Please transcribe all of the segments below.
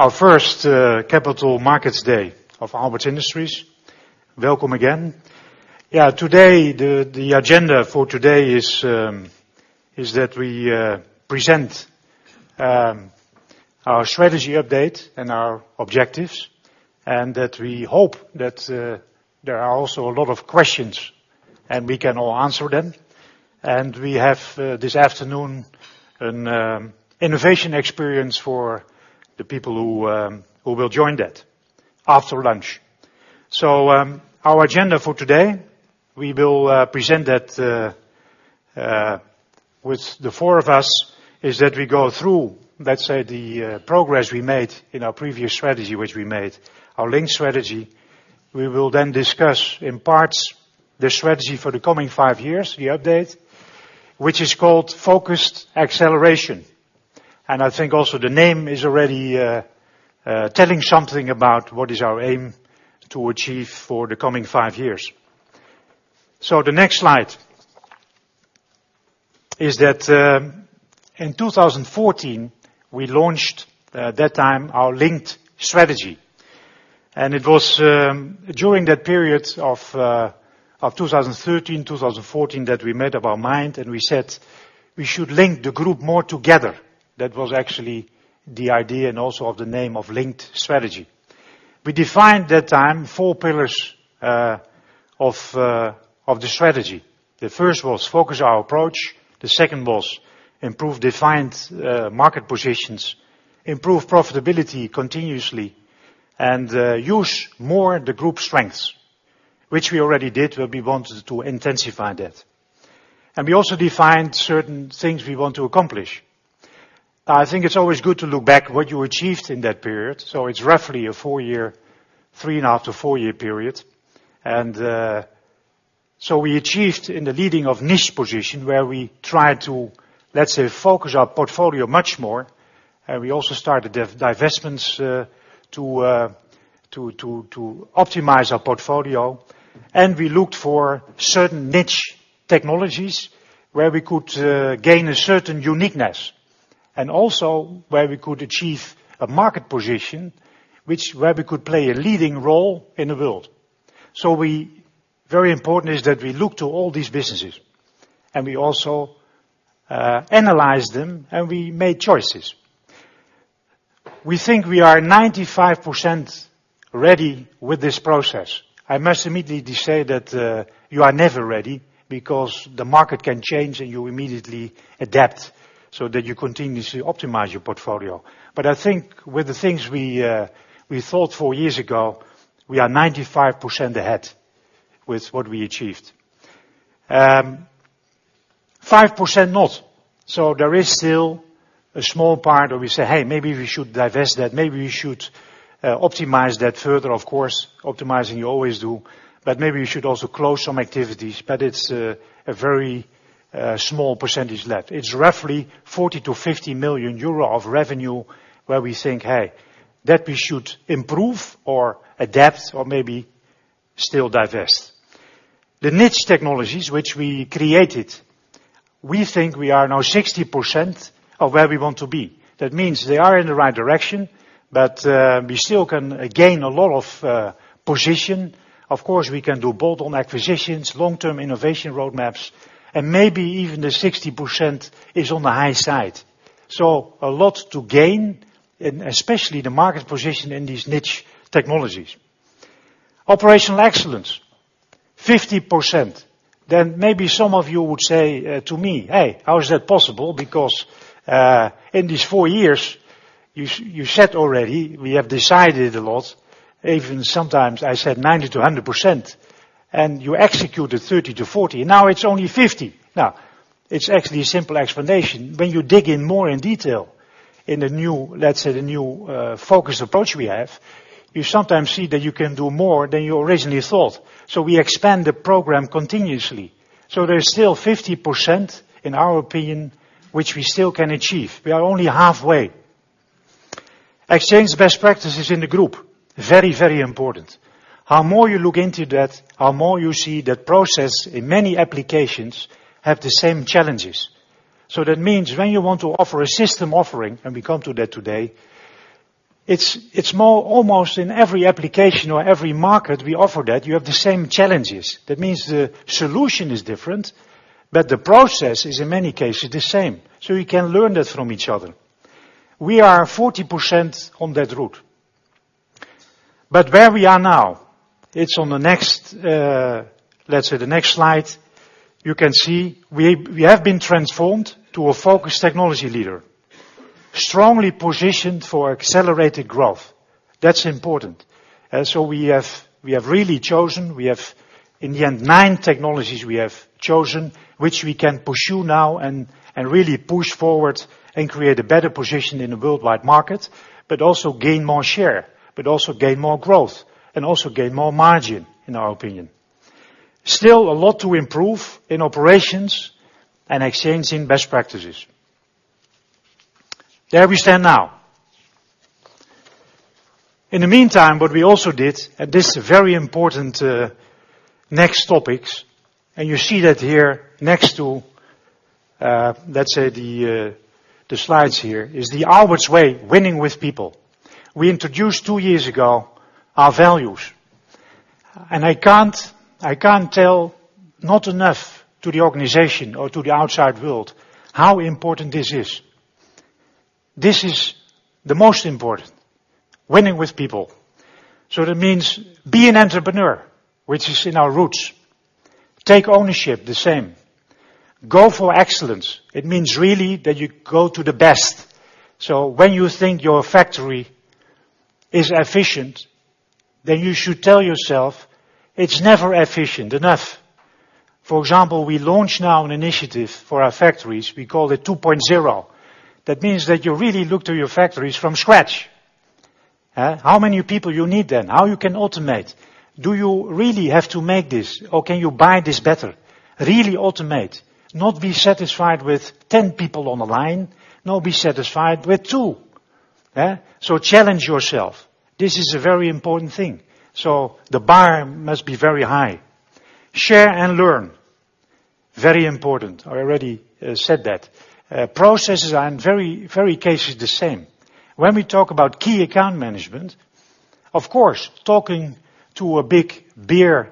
Our first Capital Markets Day of Aalberts Industries. Welcome again. The agenda for today is that we present our strategy update and our objectives, that we hope that there are also a lot of questions, and we can all answer them. We have, this afternoon, an innovation experience for the people who will join that after lunch. Our agenda for today, we will present that with the four of us, is that we go through, let's say, the progress we made in our previous strategy, which we made, our Linked Strategy. We will then discuss in parts the strategy for the coming five years, the update, which is called Focused Acceleration. I think also the name is already telling something about what is our aim to achieve for the coming five years. The next slide is that in 2014, we launched at that time our Linked Strategy. It was during that period of 2013, 2014 that we made up our mind, and we said we should link the group more together. That was actually the idea and also of the name of Linked Strategy. We defined that time four pillars of the strategy. The first was focus our approach, the second was improve defined market positions, improve profitability continuously, and use more the group's strengths, which we already did, but we wanted to intensify that. We also defined certain things we want to accomplish. I think it's always good to look back what you achieved in that period. It's roughly a three and a half to four-year period. We achieved in the leading of niche position where we tried to, let's say, focus our portfolio much more. We also started the divestments to optimize our portfolio. We looked for certain niche technologies where we could gain a certain uniqueness and also where we could achieve a market position where we could play a leading role in the world. Very important is that we look to all these businesses and we also analyze them, and we made choices. We think we are 95% ready with this process. I must immediately say that you are never ready because the market can change, and you immediately adapt so that you continuously optimize our portfolio. I think with the things we thought four years ago, we are 95% ahead with what we achieved. 5% not. There is still a small part where we say, "Hey, maybe we should divest that. Maybe we should optimize that further." Of course, optimizing you always do, but maybe we should also close some activities. It's a very small percentage left. It's roughly 40 million-50 million euro of revenue where we think, "Hey, that we should improve or adapt or maybe still divest." The niche technologies which we created, we think we are now 60% of where we want to be. That means they are in the right direction, but we still can gain a lot of position. Of course, we can do bolt-on acquisitions, long-term innovation roadmaps, and maybe even the 60% is on the high side. A lot to gain, especially the market position in these niche technologies. Operational excellence, 50%. Maybe some of you would say to me, "Hey, how is that possible?" In these 4 years, you said already we have decided a lot. Even sometimes I said 90%-100%, and you executed 30%-40%. It's only 50%. It's actually a simple explanation. When you dig in more in detail in, let's say, the new focused approach we have, you sometimes see that you can do more than you originally thought. We expand the program continuously. There is still 50%, in our opinion, which we still can achieve. We are only halfway. Exchange best practices in the group, very important. How more you look into that, how more you see that process in many applications have the same challenges. That means when you want to offer a system offering, and we come to that today, it's more almost in every application or every market we offer that you have the same challenges. That means the solution is different, but the process is, in many cases, the same. We can learn that from each other. We are 40% on that route. Where we are now, it's on, let's say, the next slide. You can see we have been transformed to a focused technology leader, strongly positioned for accelerated growth. That's important. We have really chosen. In the end, nine technologies we have chosen, which we can pursue now and really push forward and create a better position in the worldwide market, but also gain more share, but also gain more growth, and also gain more margin, in our opinion. Still a lot to improve in operations and exchanging best practices. There we stand now. In the meantime, what we also did, and this very important next topics, and you see that here next to, let's say, the slides here is the Aalberts way, winning with people. We introduced two years ago our values, and I can't tell not enough to the organization or to the outside world how important this is. This is the most important, winning with people. That means be an entrepreneur, which is in our roots. Take ownership, the same. Go for excellence. It means really that you go to the best. When you think your factory is efficient, then you should tell yourself it's never efficient enough. For example, we launch now an initiative for our factories. We call it 2.0. That means that you really look to your factories from scratch. How many people you need then? How you can automate? Do you really have to make this, or can you buy this better? Really automate, not be satisfied with 10 people on the line, nor be satisfied with two. Challenge yourself. This is a very important thing. The bar must be very high. Share and learn. Very important. I already said that. Processes are in many cases the same. When we talk about key account management, of course, talking to a big beer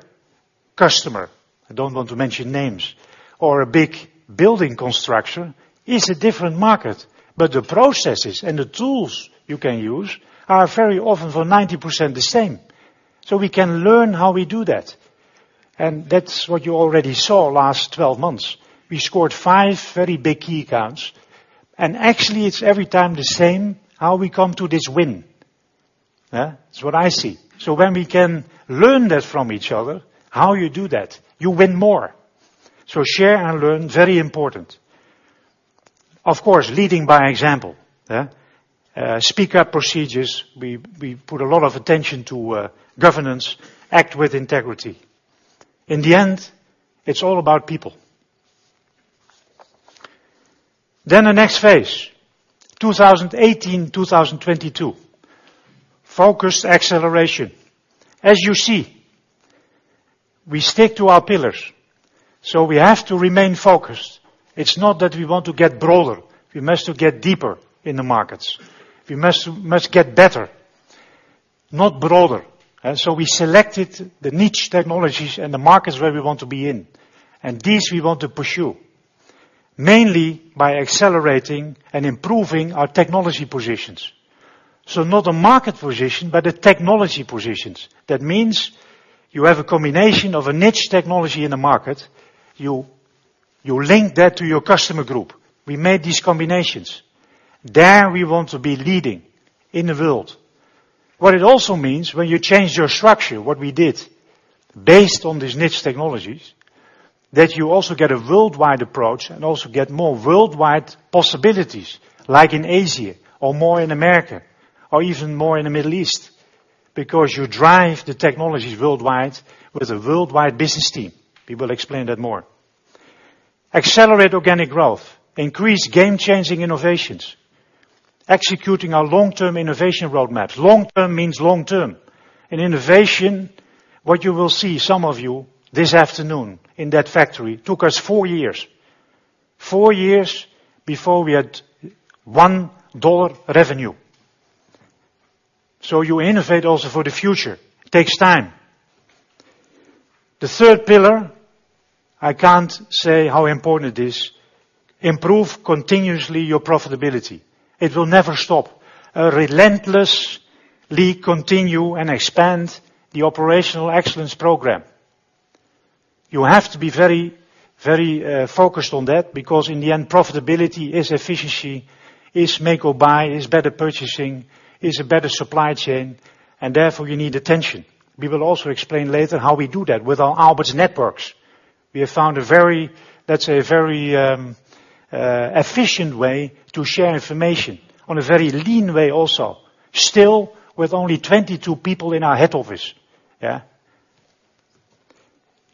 customer, I don't want to mention names, or a big building construction is a different market, but the processes and the tools you can use are very often for 90% the same. We can learn how we do that. That's what you already saw last 12 months. We scored five very big key accounts. Actually, it's every time the same how we come to this win. It's what I see. When we can learn that from each other, how you do that, you win more. Share and learn, very important. Of course, leading by example. Speak up procedures. We put a lot of attention to governance, act with integrity. In the end, it's all about people. The next phase, 2018-2022. Focused Acceleration. As you see, we stick to our pillars. We have to remain focused. It's not that we want to get broader. We must get deeper in the markets. We must get better, not broader. We selected the niche technologies and the markets where we want to be in, and these we want to pursue, mainly by accelerating and improving our technology positions. Not the market position, but the technology positions. That means you have a combination of a niche technology in the market. You link that to your customer group. We made these combinations. There we want to be leading in the world. What it also means, when you change your structure, what we did, based on these niche technologies, that you also get a worldwide approach and also get more worldwide possibilities, like in Asia or more in America, or even more in the Middle East, because you drive the technologies worldwide with a worldwide business team. We will explain that more. Accelerate organic growth, increase game-changing innovations, executing our long-term innovation roadmaps. Long-term means long-term. In innovation, what you will see, some of you this afternoon in that factory, took us four years. Four years before we had $1 revenue. You innovate also for the future. It takes time. The third pillar, I can't say how important it is, improve continuously your profitability. It will never stop. Relentlessly continue and expand the operational excellence program. You have to be very focused on that because in the end, profitability is efficiency, is make or buy, is better purchasing, is a better supply chain, and therefore, you need attention. We will also explain later how we do that with our Aalberts networks. We have found a very, let's say, very efficient way to share information on a very lean way also. Still, with only 22 people in our head office.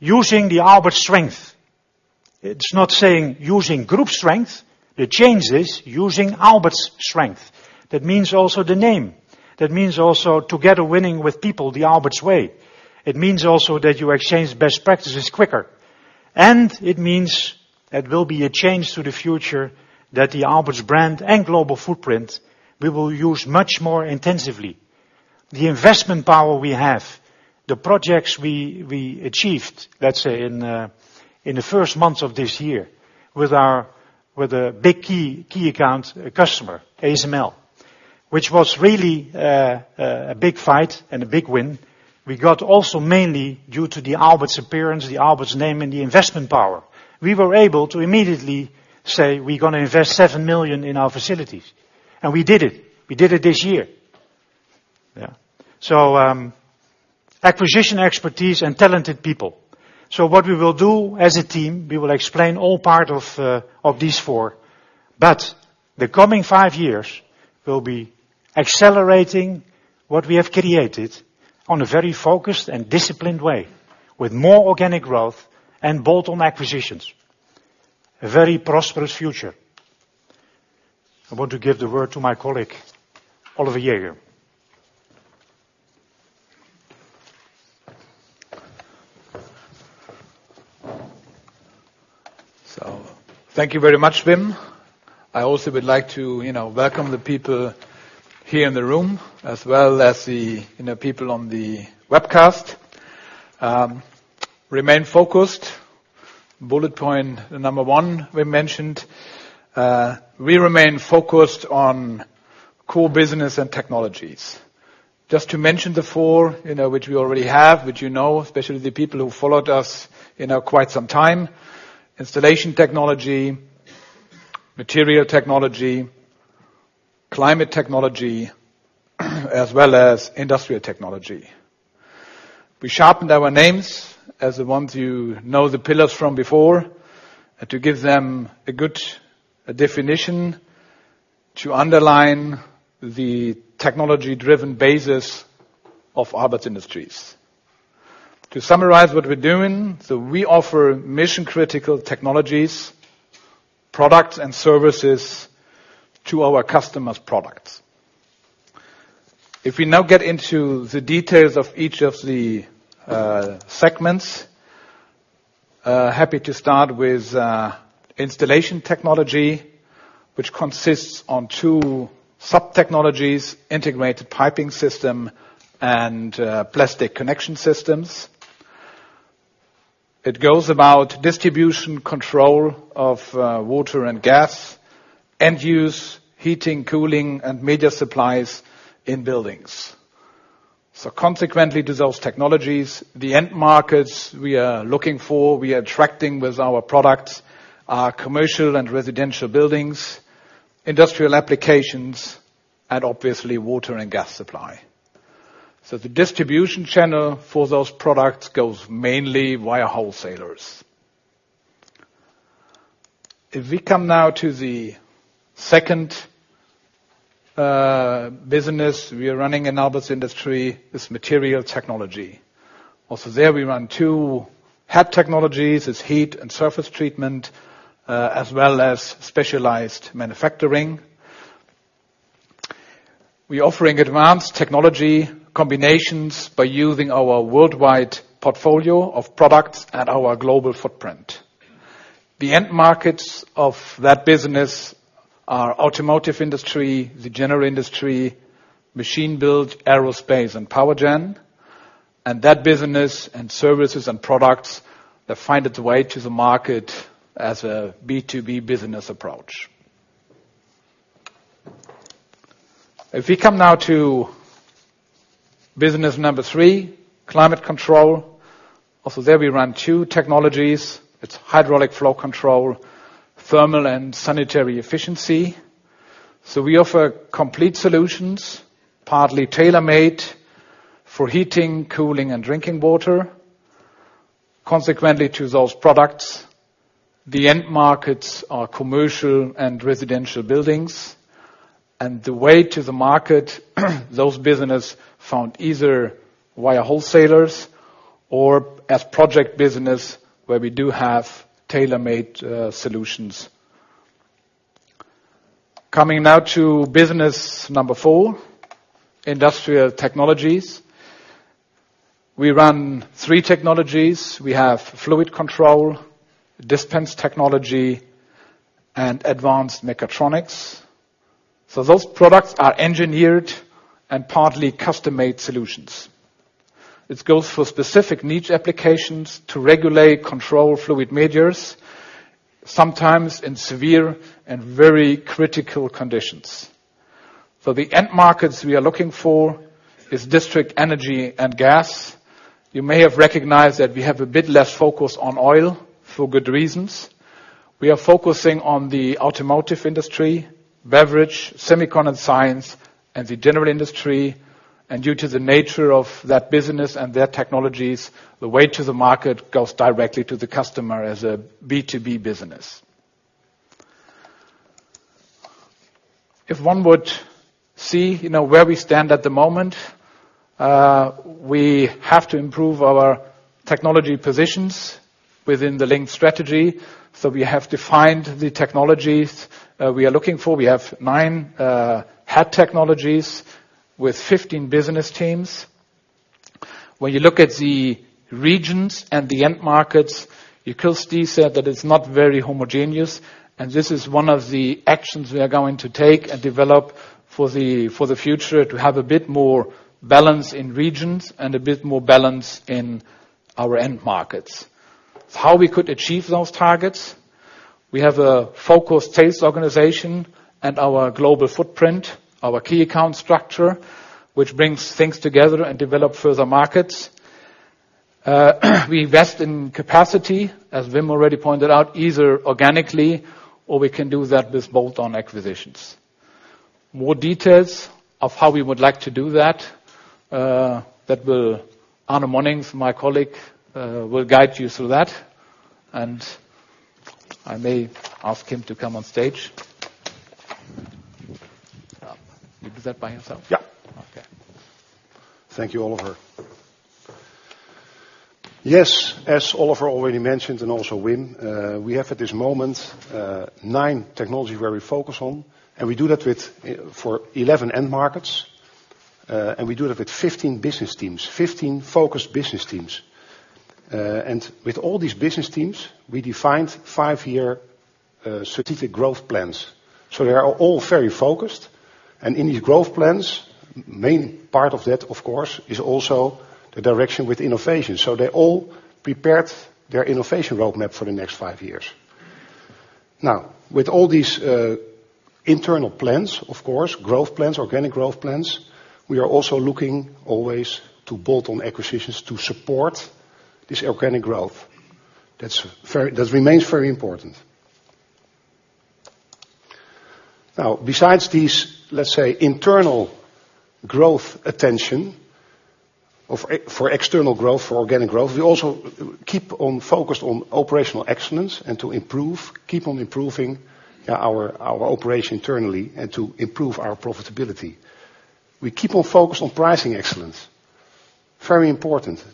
Using the Aalberts strength. It's not saying using group strength. The change is using Aalberts strength. That means also the name. That means also together winning with people the Aalberts way. It means also that you exchange best practices quicker, and it means it will be a change to the future that the Aalberts brand and global footprint we will use much more intensively. The investment power we have, the projects we achieved, let's say, in the first months of this year with a big key account customer, ASML, which was really a big fight and a big win. We got also mainly due to the Aalberts appearance, the Aalberts name, and the investment power. We were able to immediately say we're going to invest $7 million in our facilities. We did it. We did it this year. Acquisition expertise and talented people. What we will do as a team, we will explain all part of these four. The coming five years will be accelerating what we have created on a very focused and disciplined way with more organic growth and bolt-on acquisitions. A very prosperous future I want to give the word to my colleague, Oliver Jäger. Thank you very much, Wim. I also would like to welcome the people here in the room, as well as the people on the webcast. Remain focused. Bullet point number 1 we mentioned. We remain focused on core business and technologies. Just to mention the four, which we already have, which you know, especially the people who followed us quite some time: Installation Technology, Material Technology, Climate Technology, as well as Industrial Technology. We sharpened our names as the ones you know the pillars from before, to give them a good definition to underline the technology-driven basis of Aalberts Industries. We offer mission-critical technologies, products, and services to our customers' products. If we now get into the details of each of the segments, happy to start with Installation Technology, which consists on two sub-technologies: Integrated Piping System and Plastic Connection Systems. It goes about distribution control of water and gas, end use, heating, cooling, and media supplies in buildings. Consequently, to those technologies, the end markets we are looking for, we are attracting with our products are commercial and residential buildings, industrial applications, and obviously water and gas supply. The distribution channel for those products goes mainly via wholesalers. If we come now to the second business we are running in Aalberts Industries is Material Technology. Also there we run two head technologies, is Heat and Surface Treatment, as well as Specialised Manufacturing. We offering advanced technology combinations by using our worldwide portfolio of products and our global footprint. The end markets of that business are automotive industry, the general industry, machine build, aerospace and power gen. That business and services and products that find its way to the market as a B2B business approach. If we come now to business number 3, Climate Control. Also there we run two technologies. It's Hydronic Flow Control, Thermal and Sanitary Efficiency. We offer complete solutions, partly tailor-made for heating, cooling, and drinking water. Consequently to those products, the end markets are commercial and residential buildings. The way to the market, those business found either via wholesalers or as project business where we do have tailor-made solutions. Coming now to business number 4, Industrial Technologies. We run three technologies. We have Fluid Control, Dispense Technology, and Advanced Mechatronics. Those products are engineered and partly custom-made solutions. It goes for specific niche applications to regulate, control fluid medias, sometimes in severe and very critical conditions. The end markets we are looking for is district energy and gas. You may have recognized that we have a bit less focus on oil, for good reasons. We are focusing on the automotive industry, beverage, semiconductor science, and the general industry. Due to the nature of that business and their technologies, the way to the market goes directly to the customer as a B2B business. If one would see where we stand at the moment, we have to improve our technology positions within the Link Strategy. We have defined the technologies we are looking for. We have nine head technologies with 15 business teams. When you look at the regions and the end markets, you could still say that it's not very homogeneous, and this is one of the actions we are going to take and develop for the future to have a bit more balance in regions and a bit more balance in our end markets. How we could achieve those targets? We have a focused sales organization and our global footprint, our key account structure, which brings things together and develop further markets. We invest in capacity, as Wim already pointed out, either organically or we can do that with bolt-on acquisitions. More details of how we would like to do that, Arno Monincx, my colleague, will guide you through that, and I may ask him to come on stage. He'll do that by himself? Yeah. Okay. Thank you, Oliver As Oliver already mentioned, and also Wim, we have at this moment nine technology where we focus on, and we do that for 11 end markets. We do that with 15 business teams, 15 focused business teams. With all these business teams, we defined five-year strategic growth plans. They are all very focused. In these growth plans, main part of that, of course, is also the direction with innovation. They all prepared their innovation roadmap for the next five years. With all these internal plans, of course, growth plans, organic growth plans, we are also looking always to bolt on acquisitions to support this organic growth. That remains very important. Besides this, let's say, internal growth attention for external growth, for organic growth, we also keep on focused on operational excellence and to improve, keep on improving our operation internally and to improve our profitability. We keep on focused on pricing excellence. Very important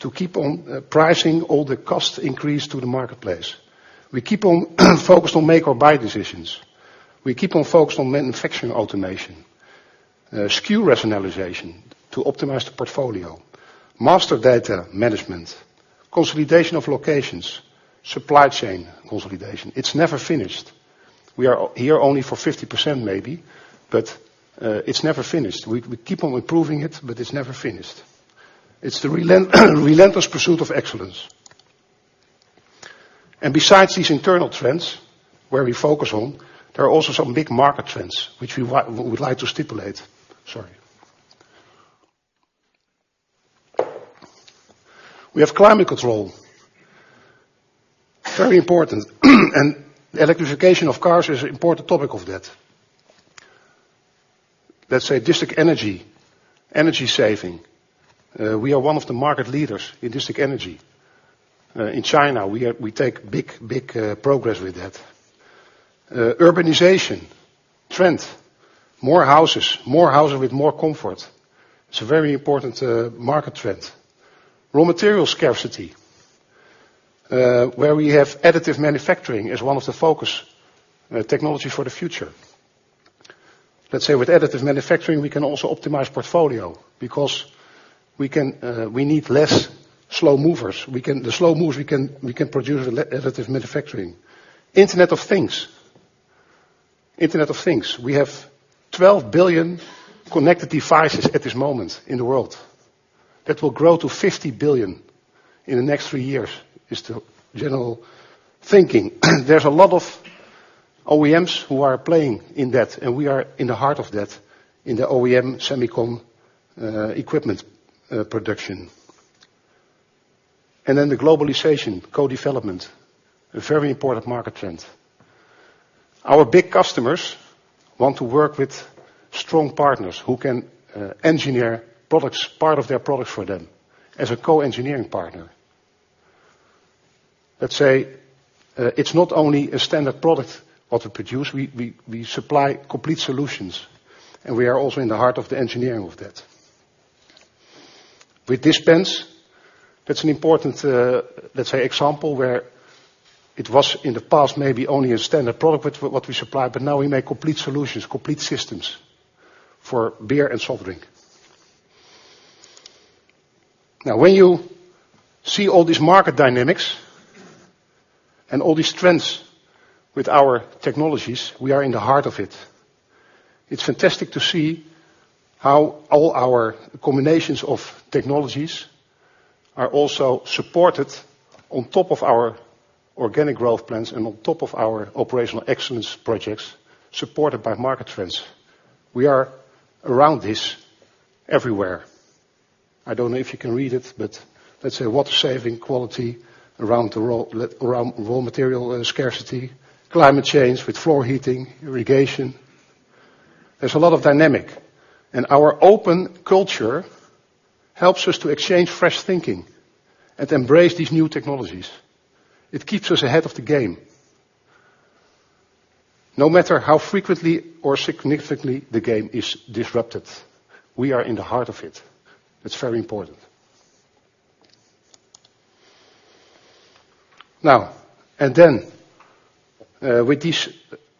to keep on pricing all the cost increase to the marketplace. We keep on focused on make or buy decisions. We keep on focused on manufacturing automation, SKU rationalization to optimize the portfolio, master data management, consolidation of locations, supply chain consolidation. It's never finished. We are here only for 50%, maybe, but it's never finished. We keep on improving it, but it's never finished. It's the relentless pursuit of excellence. Besides these internal trends where we focus on, there are also some big market trends which we would like to stipulate. Sorry. We have climate control, very important, and electrification of cars is important topic of that. Let's say district energy saving. We are one of the market leaders in district energy. In China, we take big progress with that. Urbanization trend, more houses with more comfort. It's a very important market trend. Raw material scarcity, where we have additive manufacturing as one of the focus technology for the future. Let's say with additive manufacturing, we can also optimize portfolio because we need less slow movers. The slow movers, we can produce with additive manufacturing. Internet of Things. We have 12 billion connected devices at this moment in the world. That will grow to 50 billion in the next three years, is the general thinking. There's a lot of OEMs who are playing in that, and we are in the heart of that in the OEM semicon equipment production. The globalization co-development, a very important market trend. Our big customers want to work with strong partners who can engineer products, part of their product for them as a co-engineering partner. Let's say it's not only a standard product what we produce. We supply complete solutions, and we are also in the heart of the engineering of that. With Dispense, that's an important, let's say, example where it was in the past maybe only a standard product what we supply, but now we make complete solutions, complete systems for beer and soft drink. When you see all these market dynamics and all these trends with our technologies, we are in the heart of it. It's fantastic to see how all our combinations of technologies are also supported on top of our organic growth plans and on top of our operational excellence projects, supported by market trends. We are around this everywhere. I don't know if you can read it, but let's say water saving quality around raw material scarcity, climate change with floor heating, irrigation. There's a lot of dynamic, and our open culture helps us to exchange fresh thinking and embrace these new technologies. It keeps us ahead of the game. No matter how frequently or significantly the game is disrupted, we are in the heart of it. It's very important. With these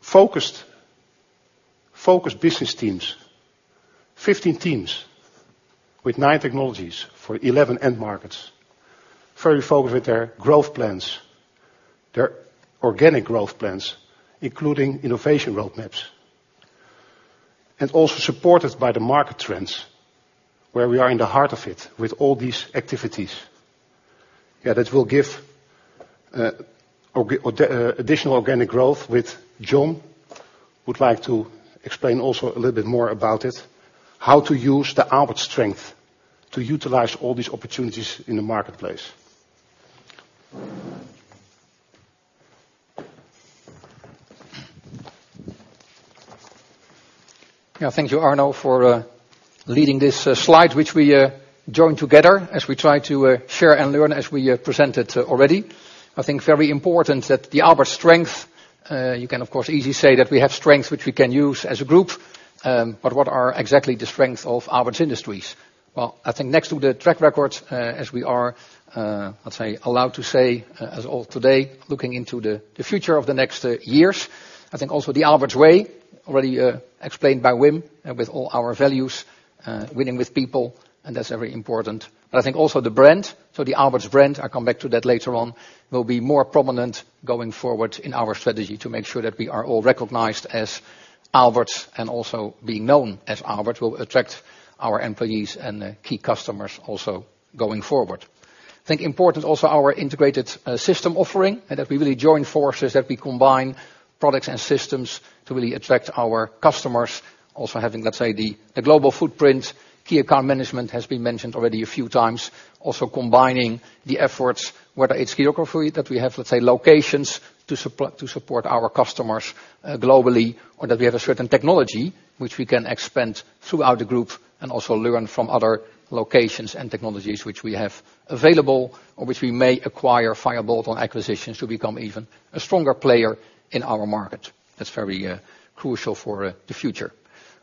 focused business teams, 15 teams with nine technologies for 11 end markets, very focused with their growth plans, their organic growth plans, including innovation roadmaps, also supported by the market trends where we are in the heart of it with all these activities. That will give additional organic growth with John. Would like to explain also a little bit more about it, how to use the Aalberts strength to utilize all these opportunities in the marketplace. Thank you, Arno, for leading this slide, which we joined together as we try to share and learn as we presented already. I think very important that the Aalberts strength. You can, of course, easily say that we have strengths which we can use as a group, but what are exactly the strengths of Aalberts Industries? Well, I think next to the track records as we are, let's say, allowed to say, as of today, looking into the future of the next years. I think also the Aalberts way, already explained by Wim and with all our values, winning with people, and that's very important. I think also the brand, so the Aalberts brand, I'll come back to that later on, will be more prominent going forward in our strategy to make sure that we are all recognized as Aalberts and also being known as Aalberts will attract our employees and the key customers also going forward. I think important also our integrated system offering, and that we really join forces, that we combine products and systems to really attract our customers. Having, let's say, the global footprint, key account management has been mentioned already a few times, also combining the efforts, whether it's geography that we have, let's say, locations to support our customers globally or that we have a certain technology which we can expand throughout the group and also learn from other locations and technologies which we have available or which we may acquire via bolt-on acquisitions to become even a stronger player in our market. That's very crucial for the future.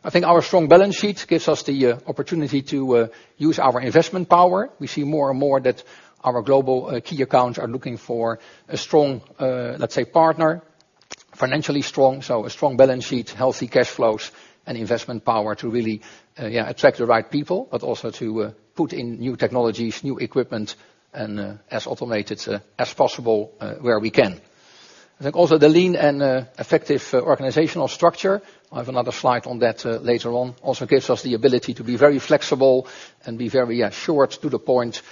I think our strong balance sheet gives us the opportunity to use our investment power. We see more and more that our global key accounts are looking for a strong, let's say, partner. Financially strong, so a strong balance sheet, healthy cash flows and investment power to really attract the right people, but also to put in new technologies, new equipment and as automated as possible where we can. I think also the lean and effective organizational structure, I have another slide on that later on, also gives us the ability to be very flexible and be very short to the point,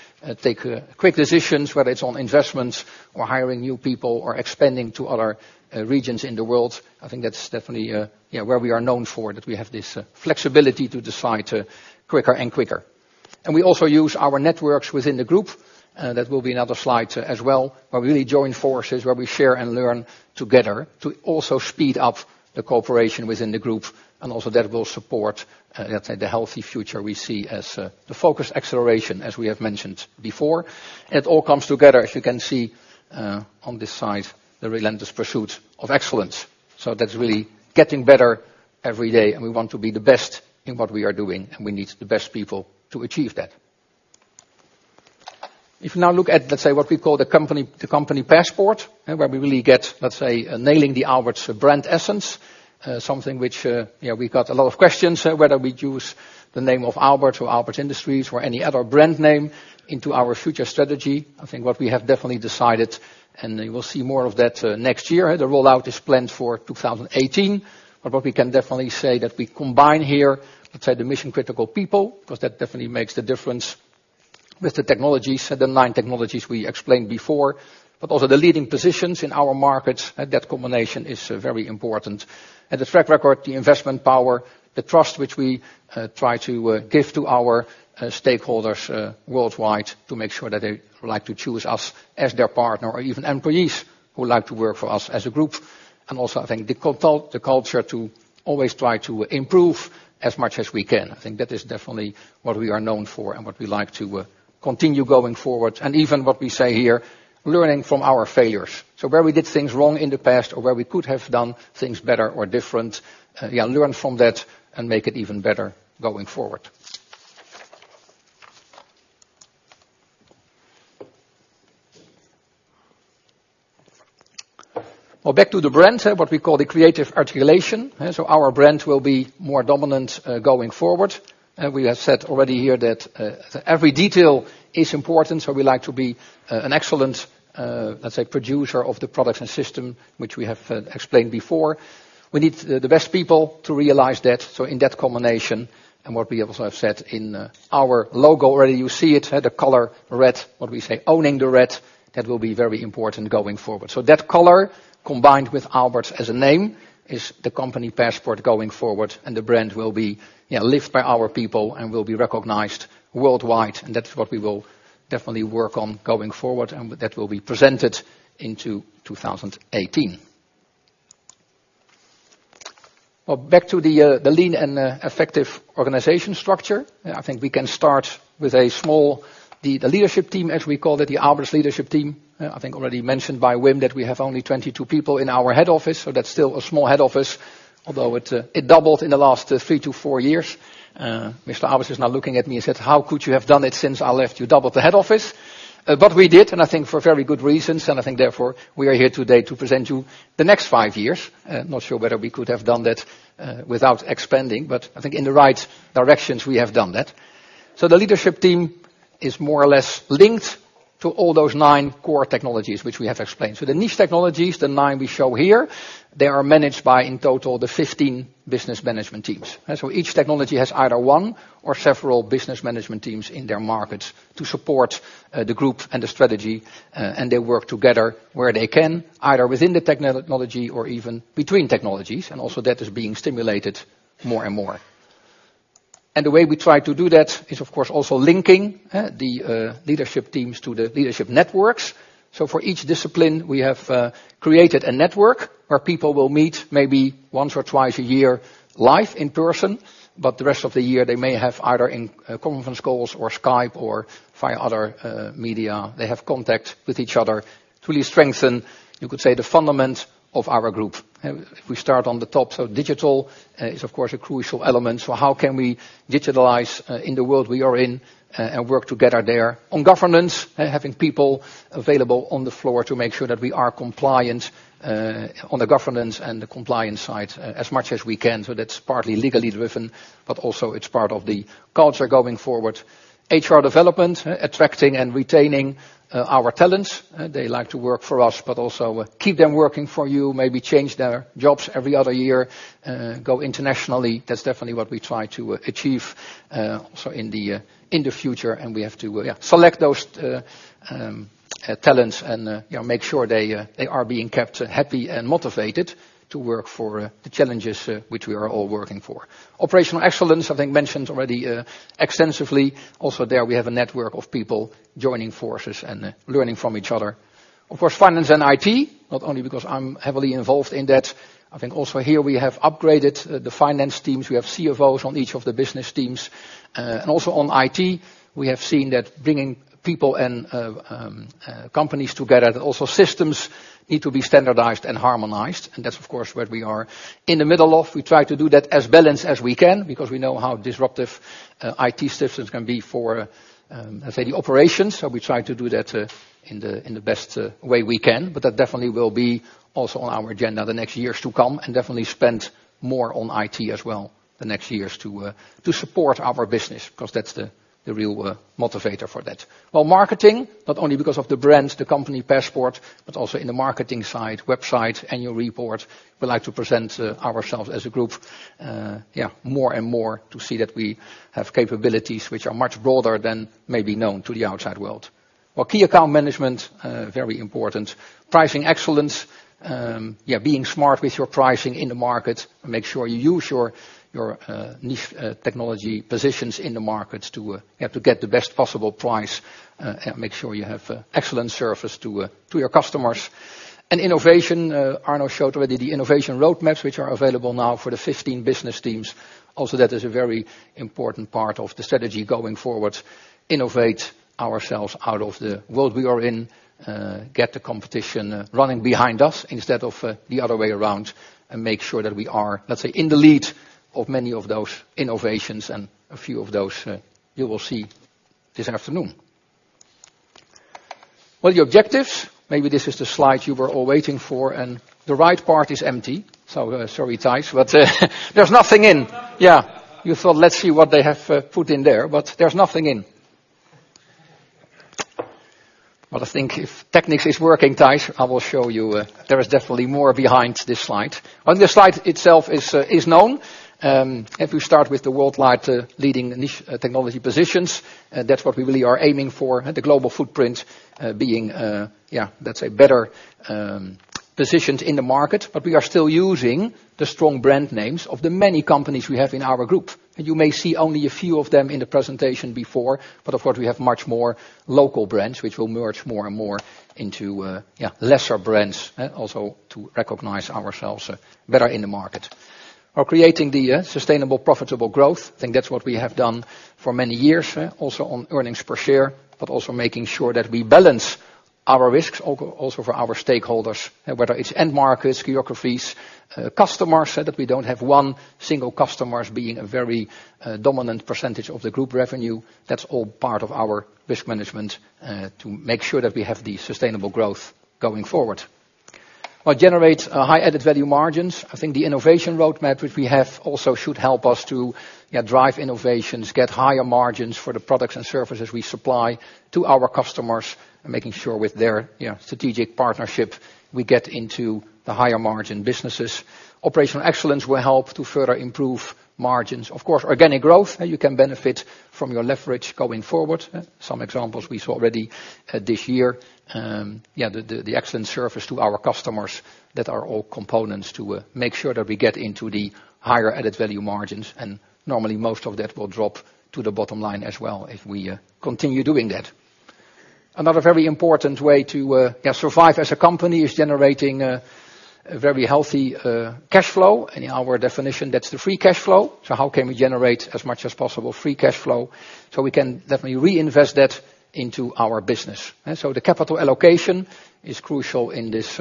take quick decisions, whether it's on investments or hiring new people or expanding to other regions in the world. I think that's definitely where we are known for, that we have this flexibility to decide quicker and quicker. We also use our networks within the group, that will be another slide as well, where we really join forces, where we share and learn together to also speed up the cooperation within the group. Also that will support, let's say, the healthy future we see as the Focused Acceleration, as we have mentioned before. It all comes together, as you can see on this side, the relentless pursuit of excellence. That's really getting better every day and we want to be the best in what we are doing, and we need the best people to achieve that. If you now look at, let's say, what we call the company passport, where we really get, let's say, nailing the Aalberts brand essence. Something which we got a lot of questions, whether we'd use the name of Aalberts or Aalberts Industries or any other brand name into our future strategy. I think what we have definitely decided, and you will see more of that next year. The rollout is planned for 2018. What we can definitely say that we combine here, let's say the mission-critical people, because that definitely makes the difference with the technologies, the 9 technologies we explained before, but also the leading positions in our markets. That combination is very important. The track record, the investment power, the trust which we try to give to our stakeholders worldwide to make sure that they would like to choose us as their partner or even employees who would like to work for us as a group. Also, I think the culture to always try to improve as much as we can. I think that is definitely what we are known for and what we like to continue going forward. Even what we say here, learning from our failures. Where we did things wrong in the past or where we could have done things better or different, learn from that and make it even better going forward. Well, back to the brand, what we call the creative articulation. Our brand will be more dominant going forward. We have said already here that every detail is important. We like to be an excellent, let's say, producer of the products and system which we have explained before. We need the best people to realize that. In that combination, and what we also have said in our logo already, you see it, the color red, what we say, owning the red, that will be very important going forward. That color combined with Aalberts as a name is the company passport going forward, and the brand will be lived by our people and will be recognized worldwide, and that's what we will definitely work on going forward, and that will be presented into 2018. Back to the lean and effective organization structure. I think we can start with a small, the leadership team, as we call it, the Aalberts leadership team. I think already mentioned by Wim that we have only 22 people in our head office, so that's still a small head office, although it doubled in the last three to four years. Mr. Aalberts is now looking at me and says, "How could you have done it since I left, you doubled the head office?" We did, and I think for very good reasons. I think therefore we are here today to present you the next five years. Not sure whether we could have done that without expanding, but I think in the right directions we have done that. The leadership team is more or less linked to all those nine core technologies which we have explained. The niche technologies, the nine we show here, they are managed by in total the 15 business management teams. Each technology has either one or several business management teams in their markets to support the group and the strategy, and they work together where they can, either within the technology or even between technologies, and also that is being stimulated more and more. The way we try to do that is, of course, also linking the leadership teams to the leadership networks. For each discipline, we have created a network where people will meet maybe once or twice a year live in person, but the rest of the year, they may have either in conference calls or Skype or via other media. They have contact with each other to really strengthen, you could say, the fundament of our group. If we start on the top, digital is, of course, a crucial element. How can we digitalize in the world we are in and work together there? On governance, having people available on the floor to make sure that we are compliant on the governance and the compliance side as much as we can. That's partly legally driven, but also it's part of the culture going forward. HR development, attracting and retaining our talents. They like to work for us, but also keep them working for you, maybe change their jobs every other year, go internationally. That's definitely what we try to achieve also in the future. We have to select those talents and make sure they are being kept happy and motivated to work for the challenges which we are all working for. Operational excellence, I think, mentioned already extensively. Also there we have a network of people joining forces and learning from each other. Of course, finance and IT, not only because I'm heavily involved in that. I think also here we have upgraded the finance teams. We have CFOs on each of the business teams. Also on IT, we have seen that bringing people and companies together, also systems need to be standardized and harmonized. That's, of course, where we are in the middle of. We try to do that as balanced as we can because we know how disruptive IT systems can be for the operations. We try to do that in the best way we can, but that definitely will be also on our agenda the next years to come and definitely spend more on IT as well the next years to support our business because that's the real motivator for that. While marketing, not only because of the brand, the company passport, but also in the marketing side, website, annual report, we like to present ourselves as a group more and more to see that we have capabilities which are much broader than maybe known to the outside world. While key account management, very important. Pricing excellence, being smart with your pricing in the market, make sure you use your niche technology positions in the markets to get the best possible price, and make sure you have excellent service to your customers. Innovation, Arno showed already the innovation roadmaps which are available now for the 15 business teams. Also, that is a very important part of the strategy going forward. Innovate ourselves out of the world we are in, get the competition running behind us instead of the other way around, and make sure that we are, let's say, in the lead of many of those innovations and a few of those you will see this afternoon. Well, the objectives, maybe this is the slide you were all waiting for, and the right part is empty. Sorry, Thijs, but there's nothing in. Yeah. You thought, let's see what they have put in there's nothing in. I think if techniques is working, Thijs, I will show you there is definitely more behind this slide. On the slide itself is known. If you start with the worldwide leading niche technology positions, that's what we really are aiming for. The global footprint being, let's say, better positioned in the market. We are still using the strong brand names of the many companies we have in our group. You may see only a few of them in the presentation before, but of course, we have much more local brands which will merge more and more into lesser brands also to recognize ourselves better in the market. While creating the sustainable, profitable growth, I think that's what we have done for many years, also on earnings per share, also making sure that we balance our risks also for our stakeholders, whether it's end markets, geographies, customers, that we don't have one single customer being a very dominant percentage of the group revenue. That's all part of our risk management to make sure that we have the sustainable growth going forward. While generate high added value margins, I think the innovation roadmap which we have also should help us to drive innovations, get higher margins for the products and services we supply to our customers, and making sure with their strategic partnership, we get into the higher margin businesses. Operational excellence will help to further improve margins. Of course, organic growth, you can benefit from your leverage going forward. Some examples we saw already this year, the excellent service to our customers that are all components to make sure that we get into the higher added value margins. Normally most of that will drop to the bottom line as well if we continue doing that. Another very important way to survive as a company is generating a very healthy cash flow. In our definition, that's the free cash flow. How can we generate as much as possible free cash flow so we can definitely reinvest that into our business? The capital allocation is crucial in this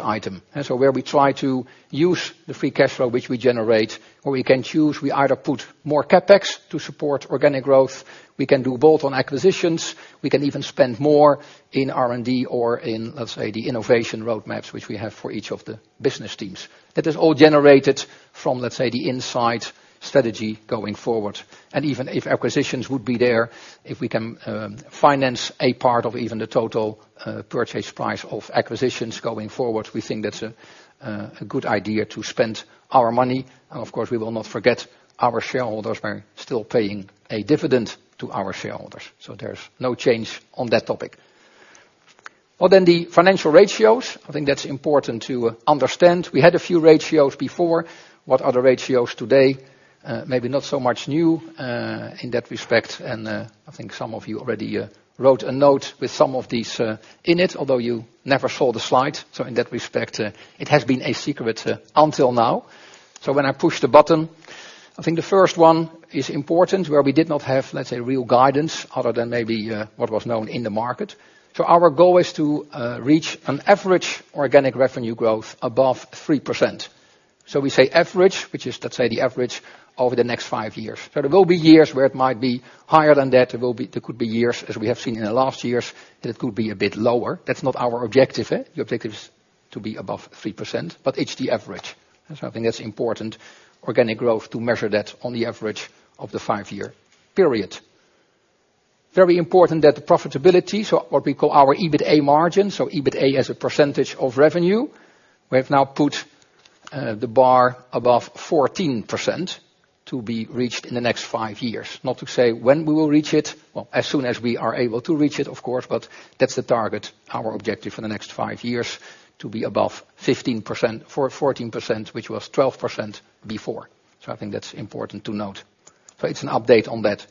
item. Where we try to use the free cash flow which we generate, or we can choose, we either put more CapEx to support organic growth, we can do bolt-on acquisitions, we can even spend more in R&D or in, let's say, the innovation roadmaps which we have for each of the business teams. That is all generated from, let's say, the inside strategy going forward. Even if acquisitions would be there, if we can finance a part of even the total purchase price of acquisitions going forward, we think that's a good idea to spend our money. Of course, we will not forget our shareholders. We're still paying a dividend to our shareholders. There's no change on that topic. Well, the financial ratios, I think that's important to understand. We had a few ratios before. What are the ratios today? Maybe not so much new in that respect, I think some of you already wrote a note with some of these in it, although you never saw the slide. In that respect, it has been a secret until now. When I push the button, I think the first one is important, where we did not have, let's say, real guidance other than maybe what was known in the market. Our goal is to reach an average organic revenue growth above 3%. We say average, which is, let's say, the average over the next five years. There will be years where it might be higher than that. There could be years, as we have seen in the last years, that it could be a bit lower. That's not our objective. The objective is to be above 3%, but it's the average. I think that's important, organic growth, to measure that on the average of the five-year period. Very important that the profitability, what we call our EBITA margin, EBITA as a percentage of revenue, we have now put the bar above 14% to be reached in the next five years. Not to say when we will reach it, well, as soon as we are able to reach it, of course, but that's the target, our objective for the next five years, to be above 15%, 14%, which was 11% before. I think that's important to note. It's an update on that.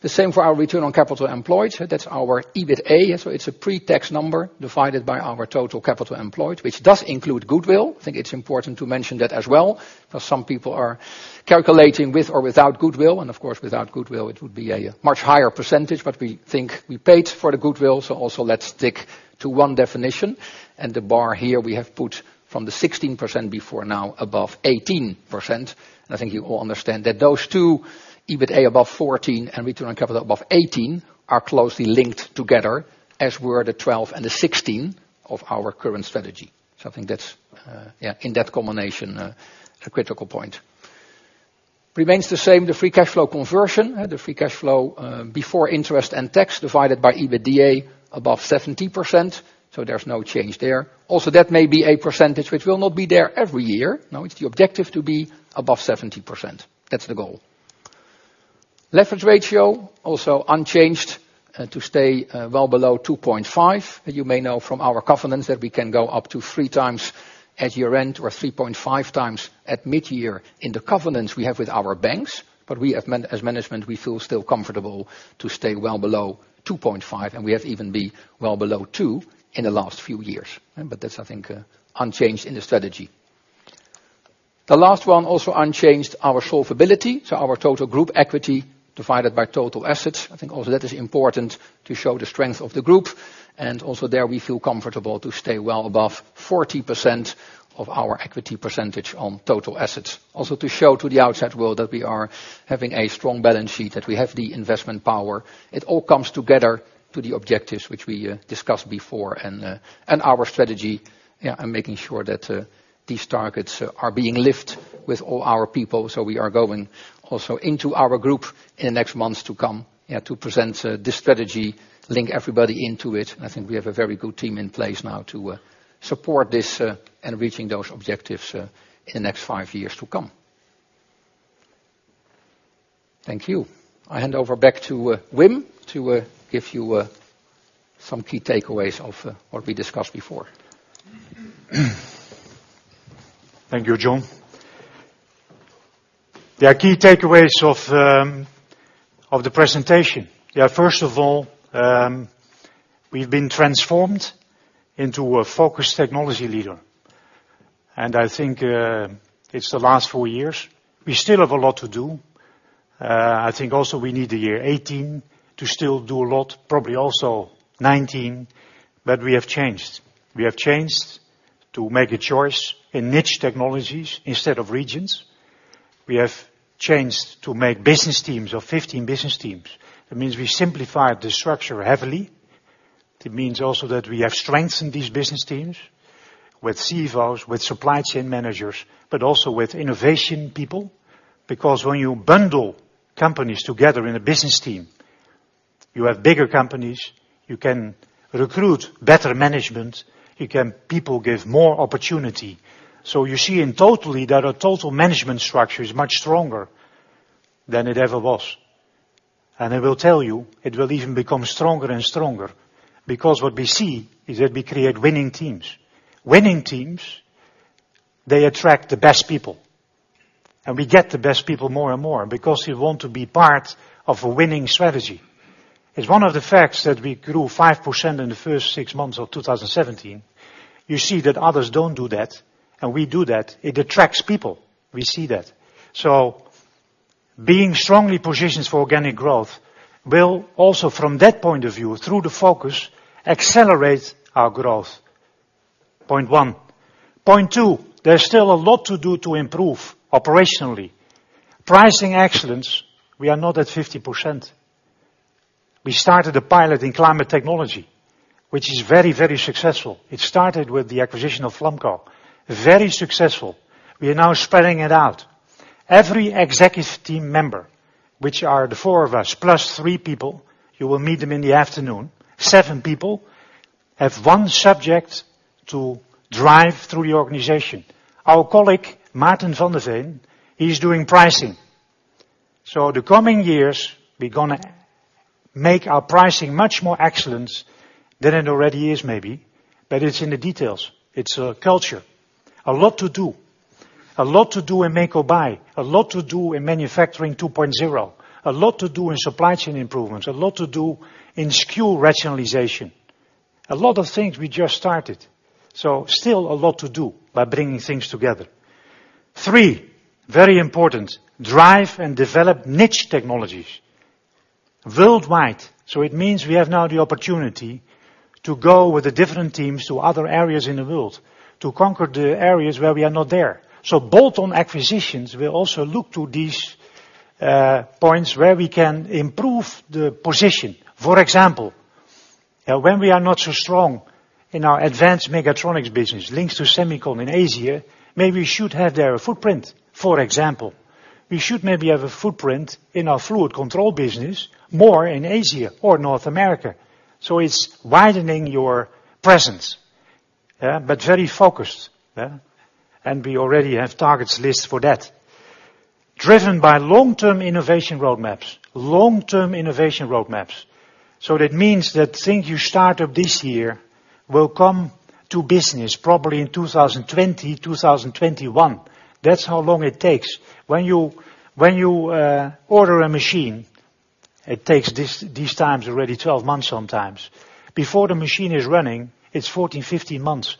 The same for our return on capital employed. That's our EBITA, it's a pre-tax number divided by our total capital employed, which does include goodwill. I think it's important to mention that as well, because some people are calculating with or without goodwill, and of course, without goodwill, it would be a much higher percentage. We think we paid for the goodwill, also let's stick to one definition. The bar here we have put from the 16% before, now above 18%. I think you all understand that those two, EBITA above 14 and return on capital above 18, are closely linked together, as were the 12 and the 16 of our current strategy. I think that's, in that combination, a critical point. Remains the same, the free cash flow conversion, the free cash flow before interest and tax divided by EBITDA above 70%. There's no change there. Also, that may be a percentage which will not be there every year. No, it's the objective to be above 70%. That's the goal. Leverage ratio, also unchanged to stay well below 2.5. You may know from our covenants that we can go up to three times at year-end or 3.5 times at mid-year in the covenants we have with our banks. We as management, we feel still comfortable to stay well below 2.5, and we have even been well below two in the last few years. That's, I think, unchanged in the strategy. The last one also unchanged, our solvability, our total group equity divided by total assets. I think also that is important to show the strength of the group, and also there we feel comfortable to stay well above 40% of our equity percentage on total assets. Also to show to the outside world that we are having a strong balance sheet, that we have the investment power. It all comes together to the objectives which we discussed before and our strategy. Making sure that these targets are being lived with all our people. We are going also into our group in the next months to come to present this strategy, link everybody into it. I think we have a very good team in place now to support this and reaching those objectives in the next five years to come. Thank you. I hand over back to Wim to give you some key takeaways of what we discussed before. Thank you, John. There are key takeaways of the presentation. We've been transformed into a focused technology leader, and I think it's the last four years. We still have a lot to do. I think also we need the year 2018 to still do a lot, probably also 2019, but we have changed. We have changed to make a choice in niche technologies instead of regions. We have changed to make business teams of 15 business teams. That means we simplified the structure heavily. It means also that we have strengthened these business teams with CEOs, with supply chain managers, but also with innovation people. When you bundle companies together in a business team, you have bigger companies, you can recruit better management, you can people give more opportunity. You see in totally that our total management structure is much stronger than it ever was. I will tell you, it will even become stronger and stronger because what we see is that we create winning teams. Winning teams, they attract the best people, and we get the best people more and more because we want to be part of a winning strategy. It is one of the facts that we grew 5% in the first six months of 2017. You see that others do not do that, and we do that. It attracts people. We see that. Being strongly positioned for organic growth will also, from that point of view, through the focus, accelerate our growth. Point one. Point two, there is still a lot to do to improve operationally. Pricing excellence, we are not at 50%. We started a pilot in climate technology, which is very, very successful. It started with the acquisition of Flamco. Very successful. We are now spreading it out. Every executive team member, which are the four of us, plus three people, you will meet them in the afternoon. Seven people have one subject to drive through the organization. Our colleague, Maarten van de Veen, he is doing pricing. The coming years, we are going to make our pricing much more excellent than it already is maybe, but it is in the details. It is a culture. A lot to do. A lot to do in make or buy. A lot to do in manufacturing 2.0. A lot to do in supply chain improvements. A lot to do in SKU rationalization. A lot of things we just started, so still a lot to do by bringing things together. Three, very important, drive and develop niche technologies worldwide. It means we have now the opportunity to go with the different teams to other areas in the world to conquer the areas where we are not there. Bolt-on acquisitions will also look to these points where we can improve the position. For example, when we are not so strong in our advanced mechatronics business links to semicon in Asia, maybe we should have there a footprint, for example. We should maybe have a footprint in our fluid control business more in Asia or North America. It is widening your presence. Very focused. We already have targets lists for that. Driven by long-term innovation roadmaps. Long-term innovation roadmaps. That means that things you start up this year will come to business probably in 2020, 2021. That is how long it takes. When you order a machine, it takes these times already 12 months sometimes. Before the machine is running, it is 14, 15 months.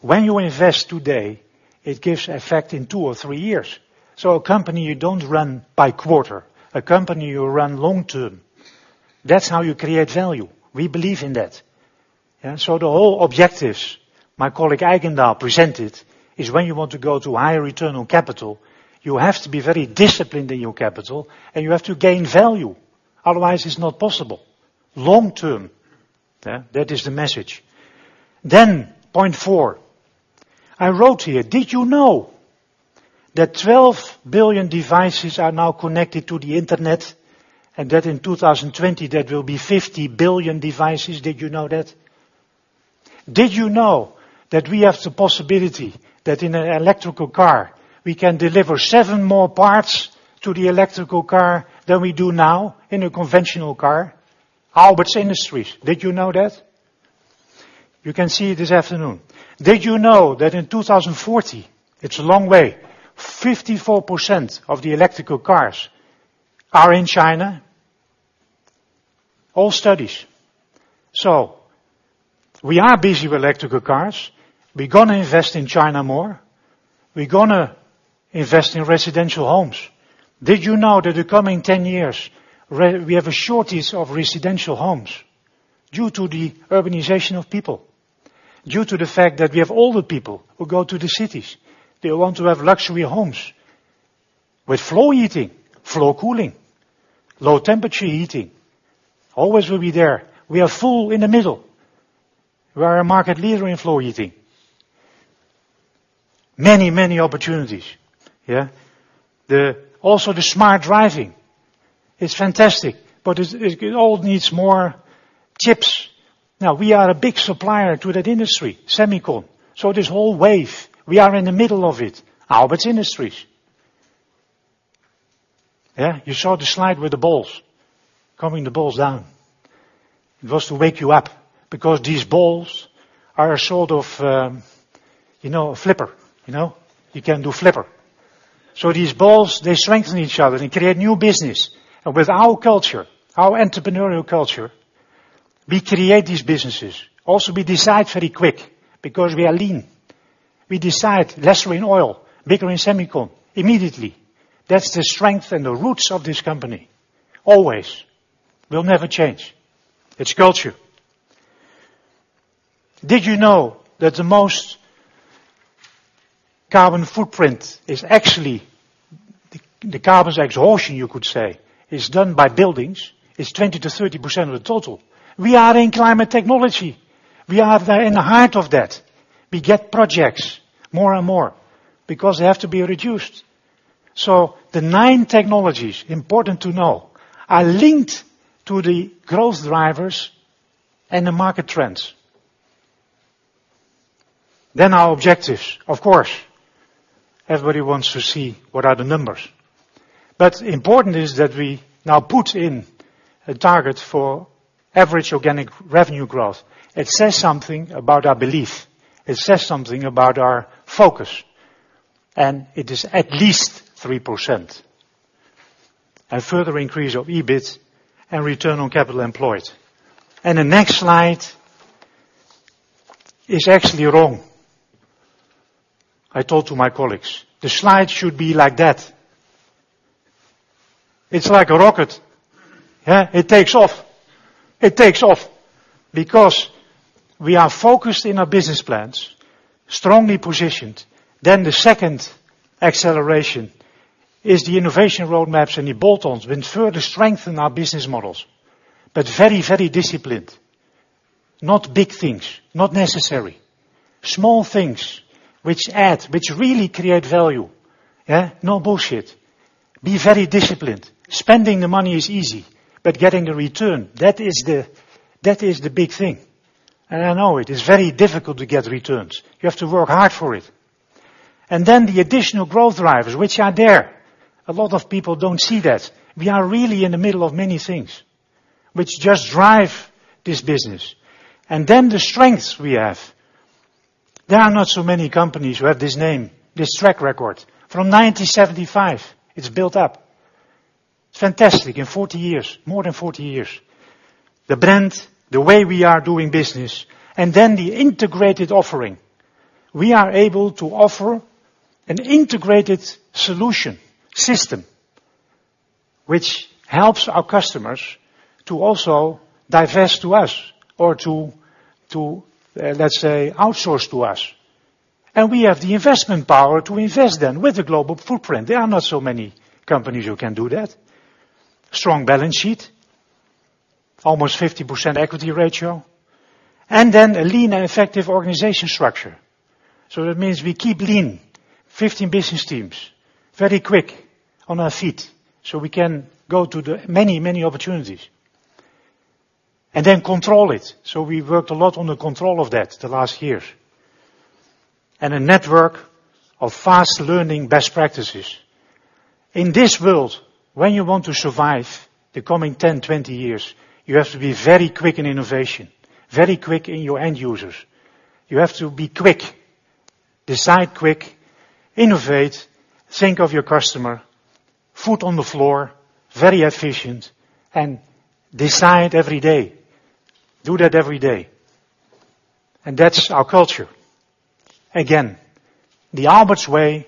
When you invest today, it gives effect in two or three years. A company you do not run by quarter, a company you run long-term. That is how you create value. We believe in that. The whole objectives my colleague, John Eijgendaal, presented is when you want to go to higher return on capital, you have to be very disciplined in your capital, and you have to gain value. Otherwise, it is not possible. Long-term. That is the message. Point four, I wrote here, did you know that 12 billion devices are now connected to the internet, and that in 2020 there will be 50 billion devices? Did you know that? Did you know that we have the possibility that in an electrical car, we can deliver seven more parts to the electrical car than we do now in a conventional car? Aalberts Industries. Did you know that? You can see it this afternoon. Did you know that in 2040, it's a long way, 54% of the electrical cars are in China? All studies. We are busy with electrical cars. We're going to invest in China more. We're going to invest in residential homes. Did you know that the coming 10 years, we have a shortage of residential homes due to the urbanization of people, due to the fact that we have older people who go to the cities. They want to have luxury homes with floor heating, floor cooling, low temperature heating. Always will be there. We are full in the middle. We are a market leader in floor heating. Many, many opportunities. The smart driving is fantastic, but it all needs more chips. Now we are a big supplier to that industry, semicon. This whole wave, we are in the middle of it, Aalberts Industries. You saw the slide with the balls, coming the balls down. It was to wake you up because these balls are a sort of flipper. You can do flipper. These balls, they strengthen each other. They create new business. With our culture, our entrepreneurial culture, we create these businesses. We decide very quick because we are lean. We decide lesser in oil, bigger in semicon immediately. That's the strength and the roots of this company. Always. Will never change. It's culture. Did you know that the most carbon footprint is actually, the carbon exhaustion, you could say, is done by buildings? It's 20%-30% of the total. We are in climate technology. We are there in the heart of that. We get projects more and more because they have to be reduced. The nine technologies, important to know, are linked to the growth drivers and the market trends. Our objectives. Of course, everybody wants to see what are the numbers. Important is that we now put in a target for average organic revenue growth. It says something about our belief. It says something about our focus, and it is at least 3%. A further increase of EBIT and return on capital employed. The next slide is actually wrong. I told to my colleagues, "The slide should be like that." It's like a rocket. It takes off. It takes off because we are focused in our business plans, strongly positioned. The second acceleration is the innovation roadmaps and the bolt-ons. We further strengthen our business models, but very, very disciplined. Not big things, not necessary. Small things which add, which really create value. No bullshit. Be very disciplined. Spending the money is easy, but getting the return, that is the big thing I know it is very difficult to get returns. You have to work hard for it. The additional growth drivers, which are there, a lot of people don't see that. We are really in the middle of many things, which just drive this business. The strengths we have. There are not so many companies who have this name, this track record. From 1975 it's built up. It's fantastic, in 40 years, more than 40 years. The brand, the way we are doing business, and then the integrated offering. We are able to offer an integrated solution system, which helps our customers to also divest to us or to, let's say, outsource to us. We have the investment power to invest then with a global footprint. There are not so many companies who can do that. Strong balance sheet, almost 50% equity ratio, a lean and effective organization structure. That means we keep lean, 15 business teams, very quick on our feet so we can go to the many, many opportunities. Control it. We worked a lot on the control of that the last years. A network of fast learning best practices. In this world, when you want to survive the coming 10, 20 years, you have to be very quick in innovation, very quick in your end users. You have to be quick, decide quick, innovate, think of your customer, foot on the floor, very efficient, and decide every day. Do that every day. That's our culture. Again, the Aalberts way,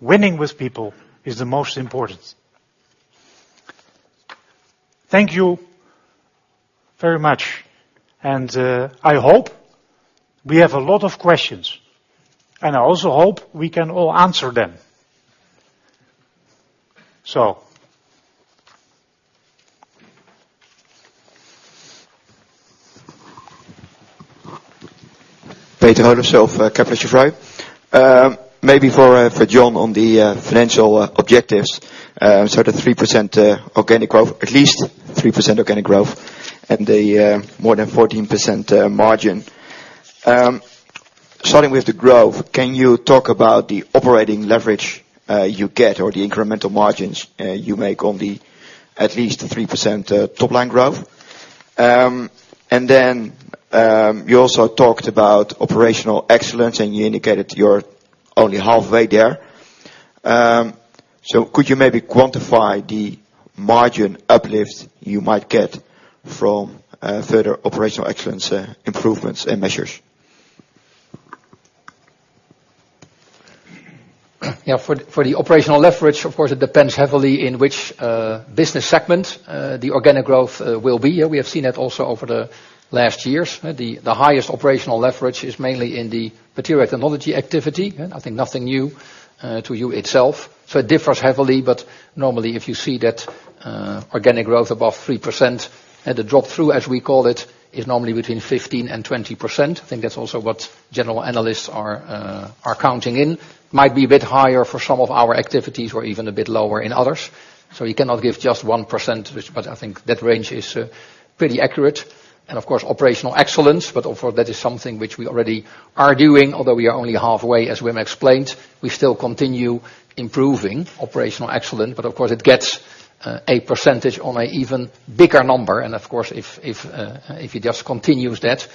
winning with people is the most important. Thank you very much. I hope we have a lot of questions, and I also hope we can all answer them. Peter Holers of Kepler Cheuvreux. Maybe for John on the financial objectives, the 3% organic growth, at least 3% organic growth and the more than 14% margin. Starting with the growth, can you talk about the operating leverage, you get or the incremental margins you make on the at least 3% top line growth? You also talked about operational excellence, and you indicated you're only halfway there. Could you maybe quantify the margin uplift you might get from further operational excellence improvements and measures? For the operational leverage, of course, it depends heavily in which business segment the organic growth will be. We have seen that also over the last years. The highest operational leverage is mainly in the material technology activity. I think nothing new to you itself. It differs heavily, but normally if you see that organic growth above 3%, and the drop-through, as we call it, is normally between 15% and 20%. I think that's also what general analysts are counting in. Might be a bit higher for some of our activities or even a bit lower in others, you cannot give just 1% but I think that range is pretty accurate. Of course, operational excellence, but of course that is something which we already are doing, although we are only halfway, as Wim explained. We still continue improving operational excellence, of course it gets a percentage on an even bigger number. Of course, if it just continues that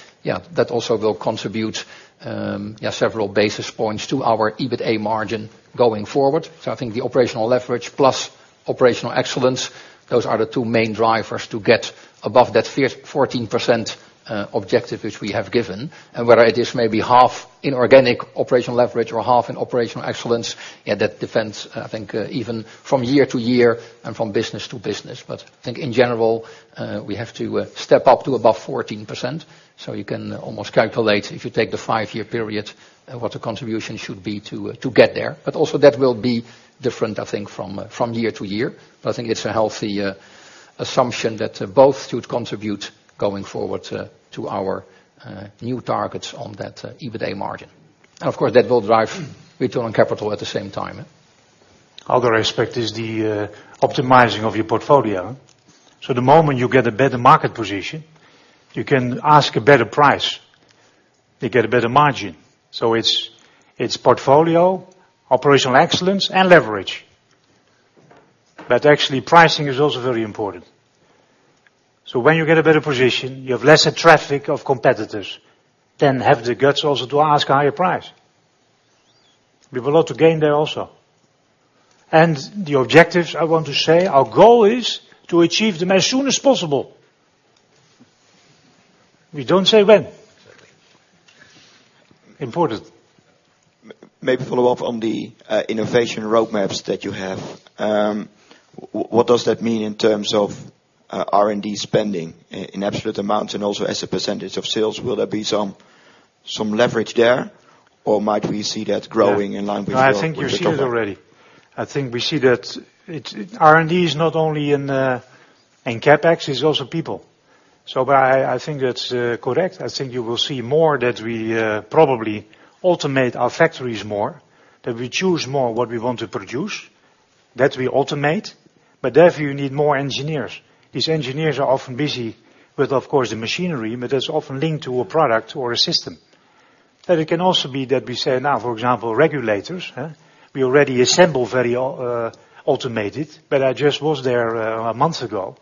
also will contribute several basis points to our EBITA margin going forward. I think the operational leverage plus operational excellence, those are the two main drivers to get above that 14% objective which we have given. Whether it is maybe half in organic operational leverage or half in operational excellence, that depends, I think, even from year to year and from business to business. I think in general, we have to step up to above 14%, you can almost calculate, if you take the five-year period, what the contribution should be to get there. Also that will be different, I think, from year to year. I think it's a healthy assumption that both should contribute going forward to our new targets on that EBITA margin. Of course, that will drive return on capital at the same time. Other aspect is the optimizing of your portfolio. The moment you get a better market position, you can ask a better price. You get a better margin. It's portfolio, operational excellence, and leverage. Actually pricing is also very important. When you get a better position, you have lesser traffic of competitors, then have the guts also to ask a higher price. We have a lot to gain there also. The objectives I want to say, our goal is to achieve them as soon as possible. We don't say when. Exactly. Important. Maybe follow up on the innovation roadmaps that you have. What does that mean in terms of R&D spending in absolute amounts and also as a % of sales? Will there be some leverage there, or might we see that growing in line with the turnover? No, I think you're seeing it already. I think we see that R&D is not only in CapEx, it's also people. I think that's correct. I think you will see more that we probably automate our factories more, that we choose more what we want to produce That we automate, but therefore you need more engineers. These engineers are often busy with the machinery, but that's often linked to a product or a system. It can also be that we say now, for example, regulators. We already assemble very automated, but I just was there a month ago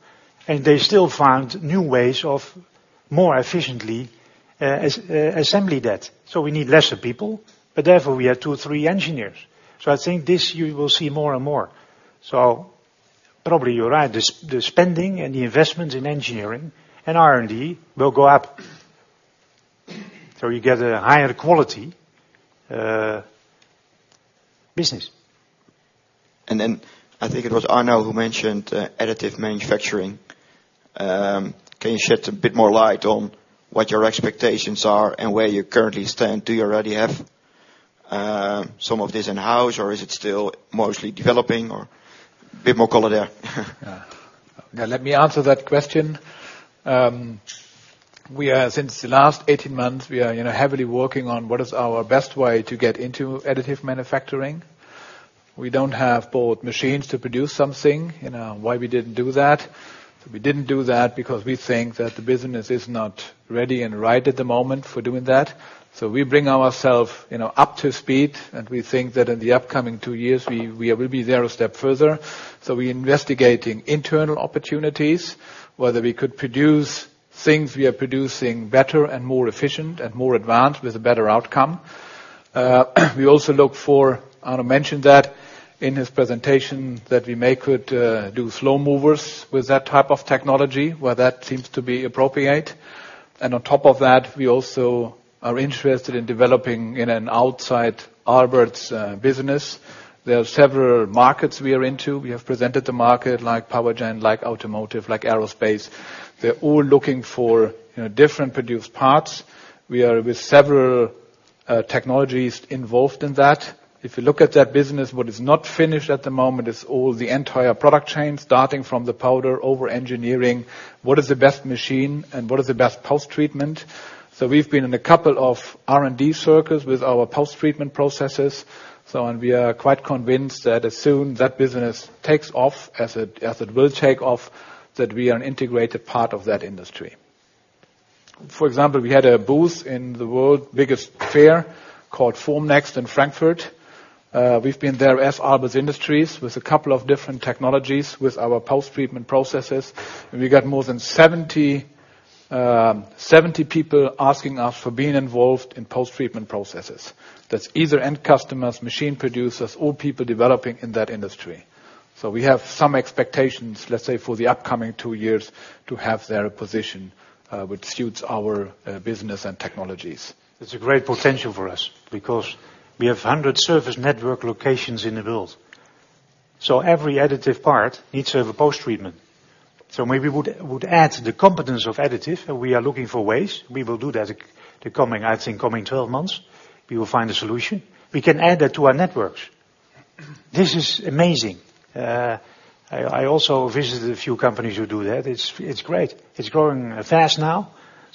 and they still found new ways of more efficiently assembly that. We need lesser people, but therefore we have two, three engineers. I think this you will see more and more. Probably you're right, the spending and the investment in engineering and R&D will go up. You get a higher quality business. I think it was Arno who mentioned additive manufacturing. Can you shed a bit more light on what your expectations are and where you currently stand? Do you already have some of this in-house or is it still mostly developing or? A bit more color there. Yeah. Let me answer that question. Since the last 18 months, we are heavily working on what is our best way to get into additive manufacturing. We don't have both machines to produce something, why we didn't do that? We didn't do that because we think that the business is not ready and right at the moment for doing that. We bring ourself up to speed, and we think that in the upcoming two years, we will be there a step further. We investigating internal opportunities, whether we could produce things we are producing better and more efficient and more advanced with a better outcome. We also look for, Arno mentioned that in his presentation, that we may could do slow movers with that type of technology, where that seems to be appropriate. On top of that, we also are interested in developing in an outside Aalberts business. There are several markets we are into. We have presented the market like power gen, like automotive, like aerospace. They are all looking for different produced parts. We are with several technologies involved in that. If you look at that business, what is not finished at the moment is all the entire product chain, starting from the powder over engineering, what is the best machine and what is the best post-treatment. We have been in a couple of R&D circles with our post-treatment processes. We are quite convinced that as soon that business takes off, as it will take off, that we are an integrated part of that industry. For example, we had a booth in the world biggest fair called Formnext in Frankfurt. We have been there as Aalberts Industries with a couple of different technologies with our post-treatment processes. We got more than 70 people asking us for being involved in post-treatment processes. That is either end customers, machine producers, or people developing in that industry. We have some expectations, let us say, for the upcoming two years to have their position, which suits our business and technologies. It is a great potential for us because we have 100 service network locations in the world. Every additive part needs to have a post-treatment. Maybe we would add the competence of additive, and we are looking for ways we will do that, I think, coming 12 months, we will find a solution. We can add that to our networks. This is amazing. I also visited a few companies who do that. It is great. It is growing fast now.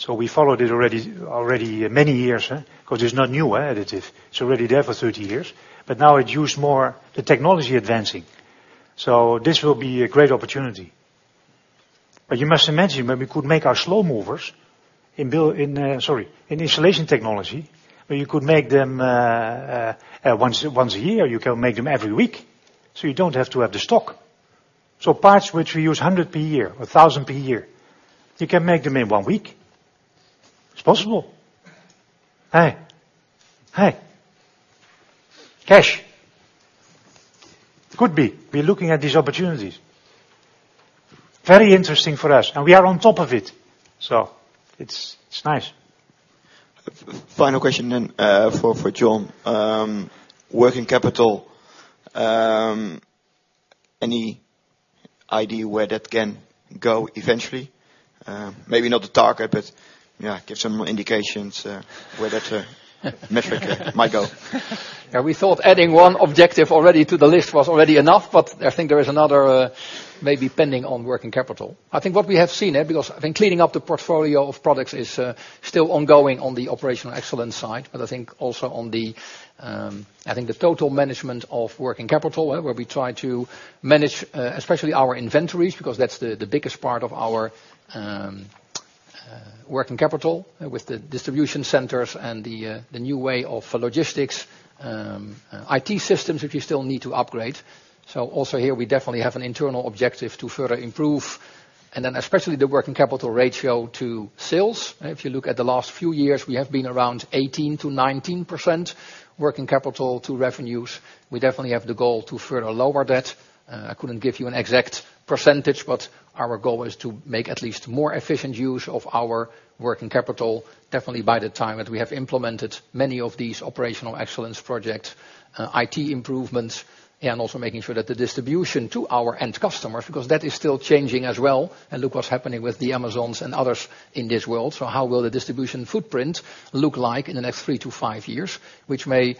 We followed it already many years. Because it is not new, additive, it is already there for 30 years. Now it used more the technology advancing. This will be a great opportunity. You must imagine where we could make our slow movers in insulation technology, where you could make them, once a year, you can make them every week. You don't have to have the stock. Parts which we use 100 per year or 1,000 per year, you can make them in one week. It is possible. Cash. Could be. We are looking at these opportunities. Very interesting for us, and we are on top of it. It is nice. Final question for John. Working capital, any idea where that can go eventually? Maybe not the target, but yeah, give some indications where that metric might go. We thought adding one objective already to the list was already enough, I think there is another maybe pending on working capital. I think what we have seen, cleaning up the portfolio of products is still ongoing on the operational excellence side, also on the total management of working capital, where we try to manage especially our inventories, that's the biggest part of our working capital with the distribution centers and the new way of logistics, IT systems, which we still need to upgrade. Also here we definitely have an internal objective to further improve. Especially the working capital ratio to sales. If you look at the last few years, we have been around 18%-19% working capital to revenues. We definitely have the goal to further lower that. I couldn't give you an exact percentage, our goal is to make at least more efficient use of our working capital, definitely by the time that we have implemented many of these operational excellence projects, IT improvements, also making sure that the distribution to our end customers, that is still changing as well. Look what's happening with the Amazons and others in this world. How will the distribution footprint look like in the next three to five years? Which may,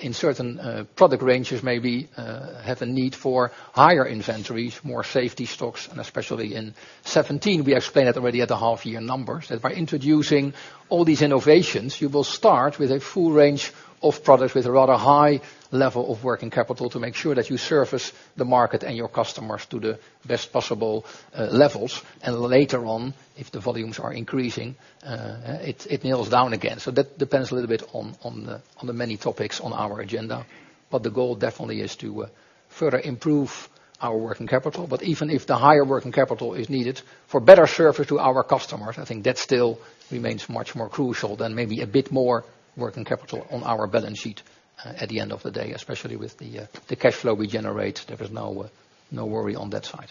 in certain product ranges, maybe have a need for higher inventories, more safety stocks, especially in 2017, we explained that already at the half year numbers, that by introducing all these innovations, you will start with a full range of products with a rather high level of working capital to make sure that you service the market and your customers to the best possible levels. Later on, if the volumes are increasing, it nails down again. That depends a little bit on the many topics on our agenda. The goal definitely is to further improve our working capital. Even if the higher working capital is needed for better service to our customers, I think that still remains much more crucial than maybe a bit more working capital on our balance sheet at the end of the day. Especially with the cash flow we generate, there is no worry on that side.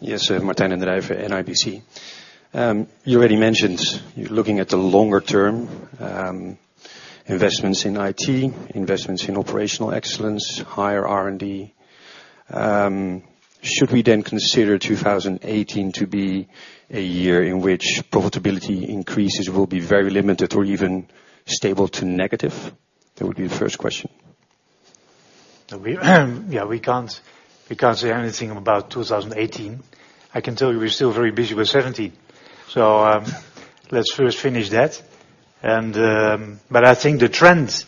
Yes, Martijn den Drijver in the drive for NIBC. You already mentioned you're looking at the longer term investments in IT, investments in operational excellence, higher R&D. Should we consider 2018 to be a year in which profitability increases will be very limited or even stable to negative? That would be the first question. We can't say anything about 2018. I can tell you we're still very busy with 2017. Let's first finish that. I think the trend,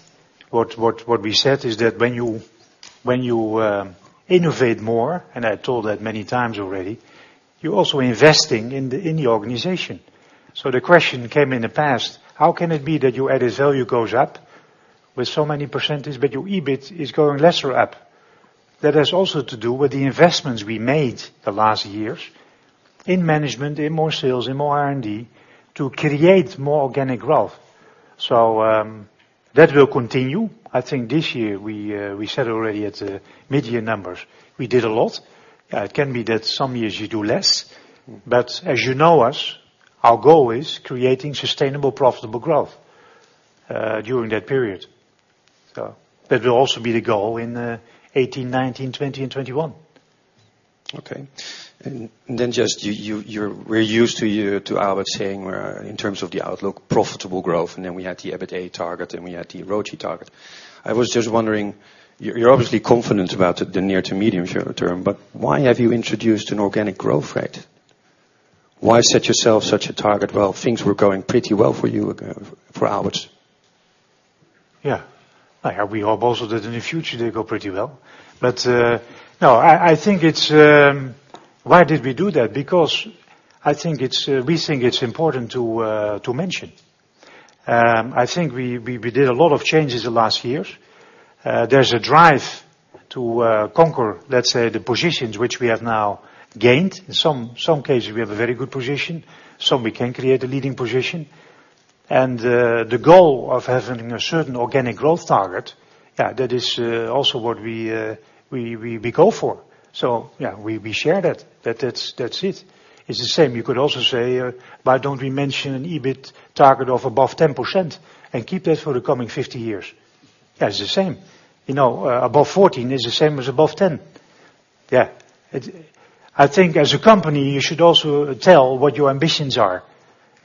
what we said is that when you innovate more, and I told that many times already, you're also investing in the organization. The question came in the past, how can it be that your added value goes up with so many percentages, but your EBIT is going lesser up? That has also to do with the investments we made the last years in management, in more sales, in more R&D, to create more organic growth. That will continue. I think this year, we said already at the mid-year numbers, we did a lot. It can be that some years you do less, but as you know us, our goal is creating sustainable, profitable growth during that period. That will also be the goal in 2018, 2019, 2020, and 2021. Okay. We're used to Aalberts saying, in terms of the outlook, profitable growth, then we had the EBITA target, and we had the ROCE target. I was just wondering, you're obviously confident about the near to medium short term, why have you introduced an organic growth rate? Why set yourself such a target? Things were going pretty well for you, for Aalberts. We hope also that in the future they go pretty well. Why did we do that? We think it's important to mention. We did a lot of changes the last years. There's a drive to conquer, let's say, the positions which we have now gained. In some cases, we have a very good position. Some we can create a leading position. The goal of having a certain organic growth target, that is also what we go for. We share that. That's it. It's the same. You could also say, why don't we mention an EBIT target of above 10% and keep that for the coming 50 years? That's the same. Above 14 is the same as above 10. As a company, you should also tell what your ambitions are,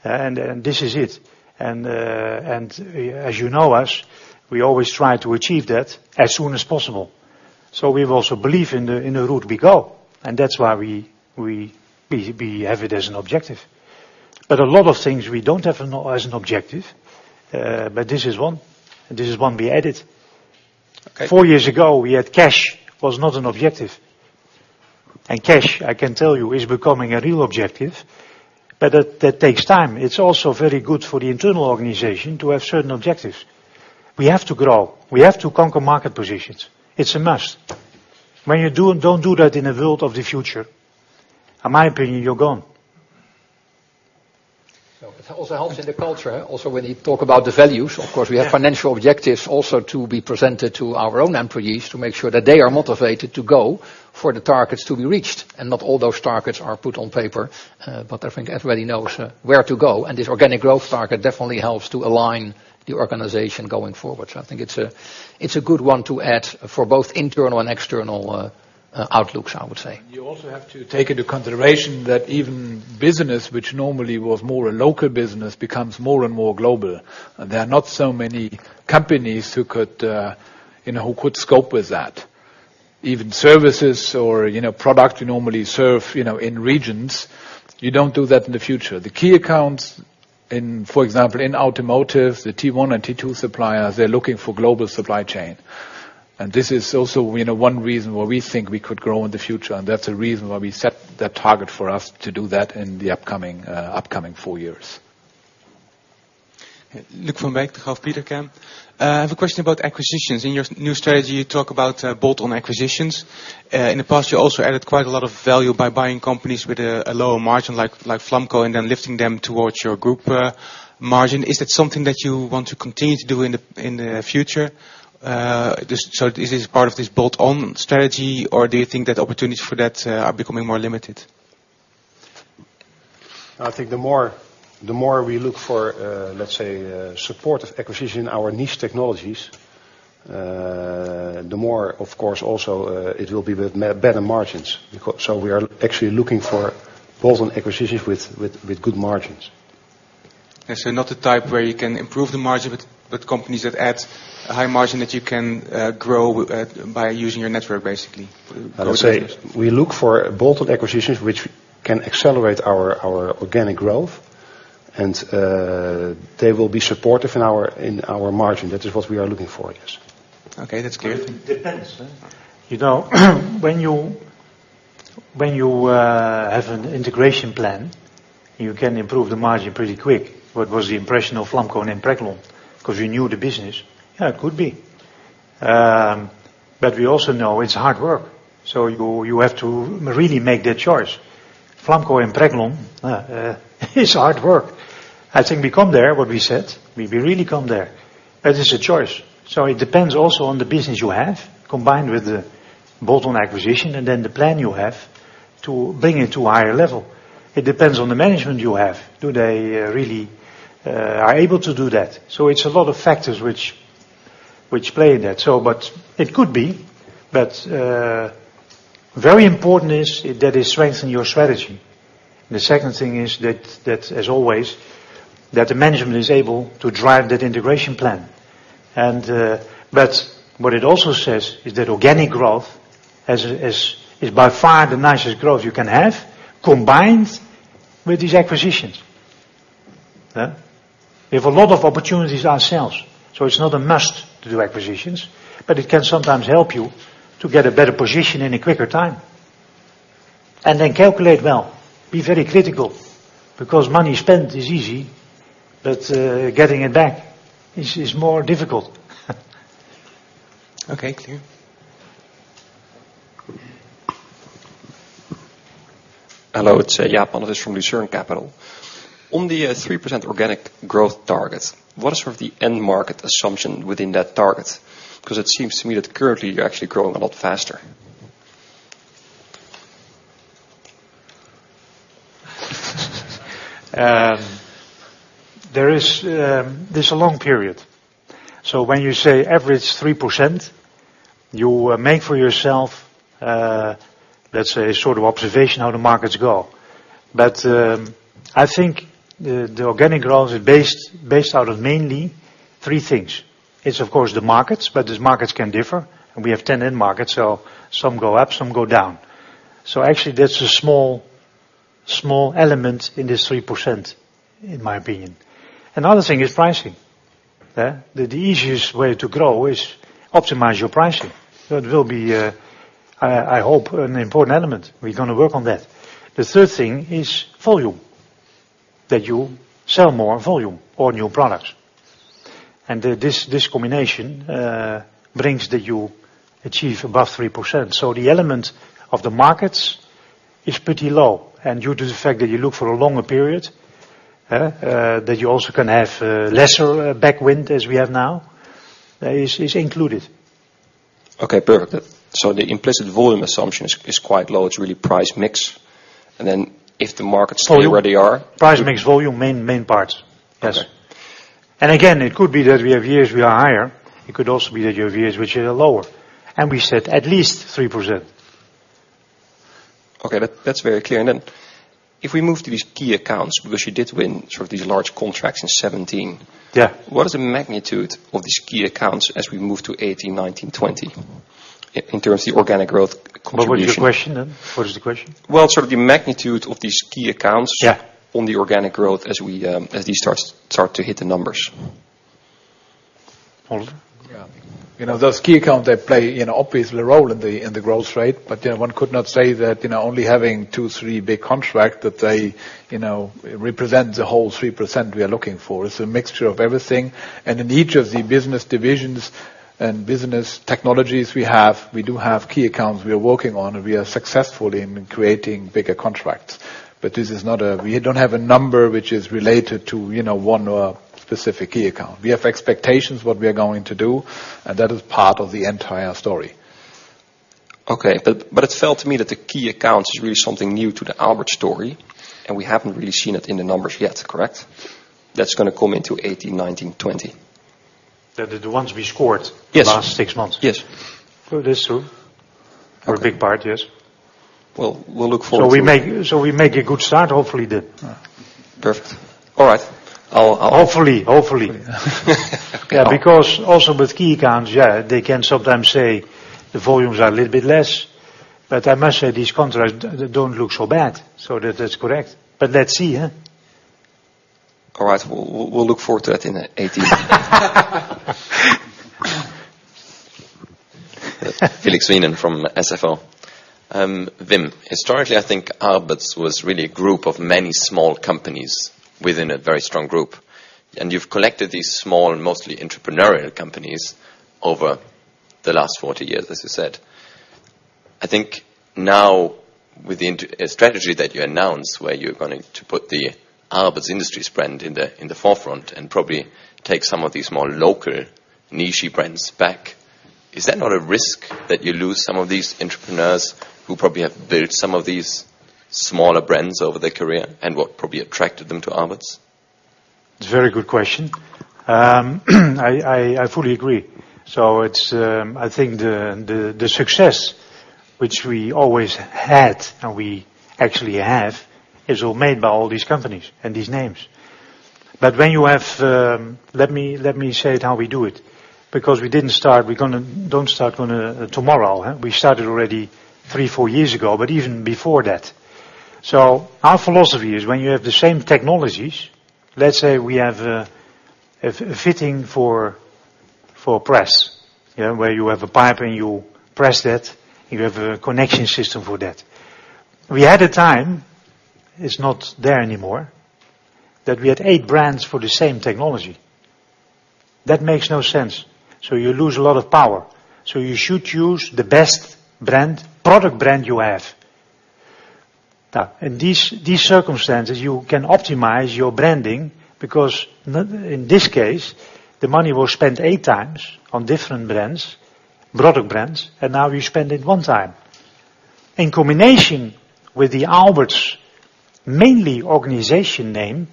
and this is it. As you know us, we always try to achieve that as soon as possible. We also believe in the route we go, and that's why we have it as an objective. A lot of things we don't have as an objective, this is one, and this is one we added. Okay. Four years ago, we had cash, was not an objective. Cash, I can tell you, is becoming a real objective. That takes time. It's also very good for the internal organization to have certain objectives. We have to grow. We have to conquer market positions. It's a must. When you don't do that in the world of the future, in my opinion, you're gone. It also helps in the culture, also when you talk about the values. Of course, we have financial objectives also to be presented to our own employees to make sure that they are motivated to go for the targets to be reached. Not all those targets are put on paper, but I think everybody knows where to go, and this organic growth target definitely helps to align the organization going forward. I think it's a good one to add for both internal and external outlooks, I would say. You also have to take into consideration that even business, which normally was more a local business, becomes more and more global. There are not so many companies who could scope with that. Even services or product you normally serve in regions, you don't do that in the future. The key accounts in, for example, in automotive, the tier 1 and tier 2 suppliers, they are looking for global supply chain. This is also one reason why we think we could grow in the future, and that's the reason why we set that target for us to do that in the upcoming four years. Luuk van Beek, Degroof Petercam. I have a question about acquisitions. In your new strategy, you talk about bolt-on acquisitions. In the past, you also added quite a lot of value by buying companies with a lower margin, like Flamco, and then lifting them towards your group margin. Is that something that you want to continue to do in the future? Is this part of this bolt-on strategy, or do you think that opportunities for that are becoming more limited? I think the more we look for, let us say, supportive acquisition, our niche technologies, the more of course also it will be with better margins. We are actually looking for bolt-on acquisitions with good margins. Not the type where you can improve the margin, but companies that add a high margin that you can grow by using your network, basically. I would say we look for bolt-on acquisitions which can accelerate our organic growth, and they will be supportive in our margin. That is what we are looking for, yes. Okay, that's clear. It depends. When you have an integration plan, you can improve the margin pretty quick. What was the impression of Flamco and Impreglon? Because we knew the business. Yeah, could be. We also know it's hard work, so you have to really make that choice. Flamco and Impreglon, it's hard work. I think we come there, what we said, we really come there. It's a choice. It depends also on the business you have, combined with the bolt-on acquisition, and then the plan you have to bring it to a higher level. It depends on the management you have. Do they really are able to do that? It's a lot of factors which play in that. It could be, but very important is that they strengthen your strategy. The second thing is that, as always, that the management is able to drive that integration plan. What it also says is that organic growth is by far the nicest growth you can have, combined with these acquisitions. We have a lot of opportunities ourselves, so it is not a must to do acquisitions, but it can sometimes help you to get a better position in a quicker time. Calculate well, be very critical, because money spent is easy, but getting it back is more difficult. Okay, clear. Hello, it is Jaap Pannevis from Lucerne Capital. On the 3% organic growth target, what is sort of the end market assumption within that target? Because it seems to me that currently you are actually growing a lot faster. There is a long period. When you say average 3%, you make for yourself, let us say, sort of observation how the markets go. I think the organic growth is based out of mainly three things. It is, of course, the markets, but these markets can differ, and we have 10 end markets, so some go up, some go down. Actually that is a small element in this 3%, in my opinion. Another thing is pricing. The easiest way to grow is optimize your pricing. It will be, I hope, an important element. We are going to work on that. The third thing is volume, that you sell more volume or new products. This combination brings that you achieve above 3%. The element of the markets is pretty low. Due to the fact that you look for a longer period, that you also can have lesser backwind as we have now, is included. Okay, perfect. The implicit volume assumption is quite low. It's really price mix, and then if the markets stay where they are. Price mix, volume, main parts. Yes. Okay. Again, it could be that we have years we are higher. It could also be that you have years which are lower. We said at least 3%. Okay, that's very clear. If we move to these key accounts, because you did win sort of these large contracts in 2017- Yeah What is the magnitude of these key accounts as we move to 2018, 2019, 2020, in terms of the organic growth contribution? What was your question? Well, sort of the magnitude of these key accounts- Yeah on the organic growth as these start to hit the numbers. Oliver? Yeah. Those key accounts, they play obviously a role in the growth rate, one could not say that only having two, three big contract that they represent the whole 3% we are looking for. It's a mixture of everything. In each of the business divisions and business technologies we have, we do have key accounts we are working on, and we are successful in creating bigger contracts. We don't have a number which is related to one specific key account. We have expectations what we are going to do, and that is part of the entire story. Okay. It felt to me that the key accounts is really something new to the Aalberts story, and we haven't really seen it in the numbers yet, correct? That's going to come into 2018, 2019, 2020. The ones we scored. Yes the last six months Yes. It is so. Okay. A big part, yes. Well, we'll look forward to it. We make a good start. Perfect. All right. Hopefully. Okay. Also with key accounts, yeah, they can sometimes say the volumes are a little bit less. I must say, these contracts don't look so bad. That's correct. Let's see, huh? All right. We'll look forward to that in 2018. Felix Hene from SFO. Wim, historically, I think Aalberts was really a group of many small companies within a very strong group. You've collected these small and mostly entrepreneurial companies over the last 40 years, as you said. I think now with the strategy that you announced, where you're going to put the Aalberts Industries brand in the forefront and probably take some of these more local, niche-y brands back, is that not a risk that you lose some of these entrepreneurs who probably have built some of these smaller brands over their career and what probably attracted them to Aalberts? It is a very good question. I fully agree. I think the success which we always had, and we actually have, is all made by all these companies and these names. But let me say it how we do it, because we do not start tomorrow. We started already three, four years ago, but even before that. Our philosophy is when you have the same technologies, let us say we have a fitting for press, where you have a pipe and you press that, you have a connection system for that. We had a time, it is not there anymore, that we had eight brands for the same technology. That makes no sense. You lose a lot of power. You should use the best product brand you have. In these circumstances, you can optimize your branding because in this case, the money was spent eight times on different product brands, and now you spend it one time. In combination with the Aalberts mainly organization name,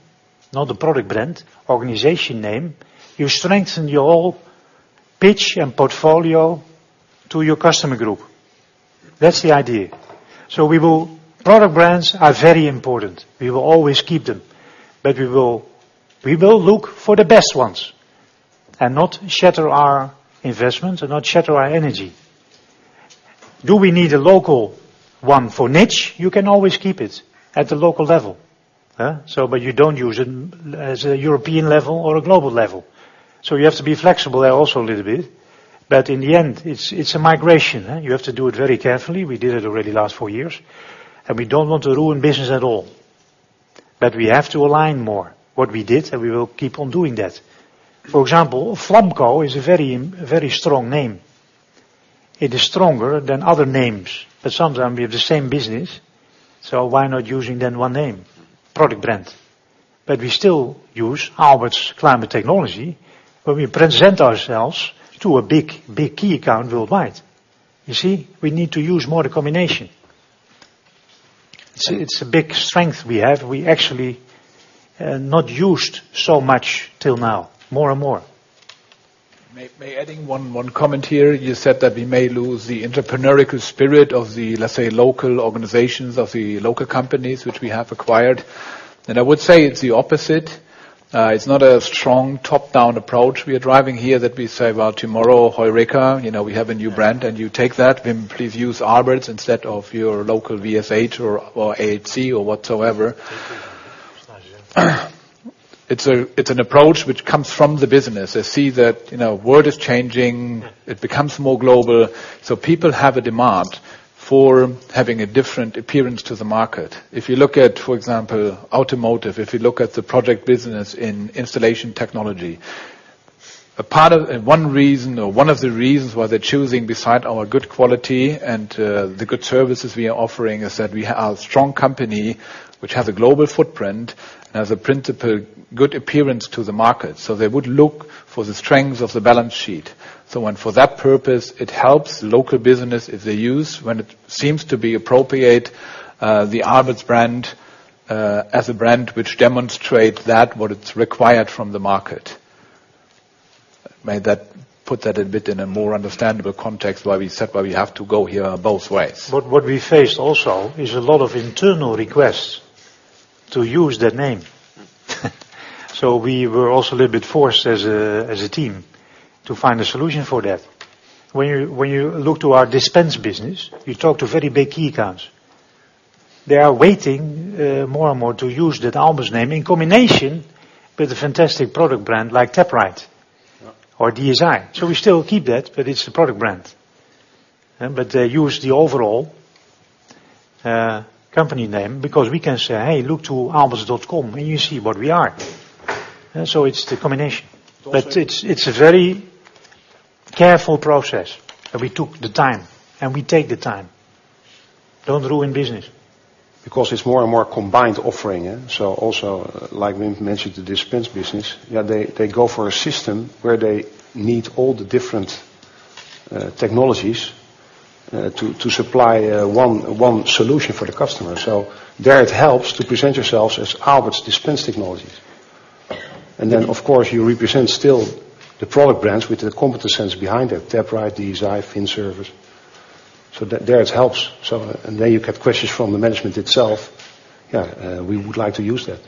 not the product brand, organization name, you strengthen your whole pitch and portfolio to your customer group. That is the idea. Product brands are very important. We will always keep them. We will look for the best ones and not shatter our investments and not shatter our energy. Do we need a local one for niche? You can always keep it at the local level. You do not use it as a European level or a global level. You have to be flexible there also a little bit. In the end, it is a migration. You have to do it very carefully. We did it already last four years, and we do not want to ruin business at all. We have to align more what we did, and we will keep on doing that. For example, Flamco is a very strong name. It is stronger than other names, sometimes we have the same business, why not using then one name? Product brand. We still use Aalberts Climate Technology when we present ourselves to a big key account worldwide. You see? We need to use more the combination. It is a big strength we have. We actually not used so much until now, more and more. May adding one comment here. You said that we may lose the entrepreneurial spirit of the, let us say, local organizations of the local companies which we have acquired. I would say it is the opposite. It is not a strong top-down approach we are driving here that we say, "Well, tomorrow, Eureka, we have a new brand, and you take that, then please use Aalberts instead of your local VSH or AHC or whatsoever." It is an approach which comes from the business. They see that world is changing. It becomes more global. People have a demand for having a different appearance to the market. If you look at, for example, automotive, if you look at the project business in installation technology, one of the reasons why they're choosing beside our good quality and the good services we are offering, is that we are a strong company which has a global footprint and has a principal good appearance to the market. They would look for the strengths of the balance sheet. For that purpose, it helps local business if they use, when it seems to be appropriate, the Aalberts brand, as a brand which demonstrate that what it's required from the market. May that put that a bit in a more understandable context why we said why we have to go here both ways. What we faced also is a lot of internal requests to use that name. We were also a little bit forced as a team to find a solution for that. When you look to our dispense business, you talk to very big key accounts. They are waiting more and more to use that Aalberts name in combination with a fantastic product brand like Taprite or DSI. We still keep that, but it's the product brand. They use the overall company name because we can say, "Hey, look to aalberts.com, and you see what we are." It's the combination. It's a very careful process, and we took the time, and we take the time. Don't ruin business. It's more and more combined offering. Also, like Wim mentioned, the dispense business, they go for a system where they need all the different technologies to supply one solution for the customer. There it helps to present yourselves as Aalberts dispense technologies. Then, of course, you represent still the product brands with the competence center behind it, Taprite, DSI, Vin Service. There it helps. There you get questions from the management itself. We would like to use that.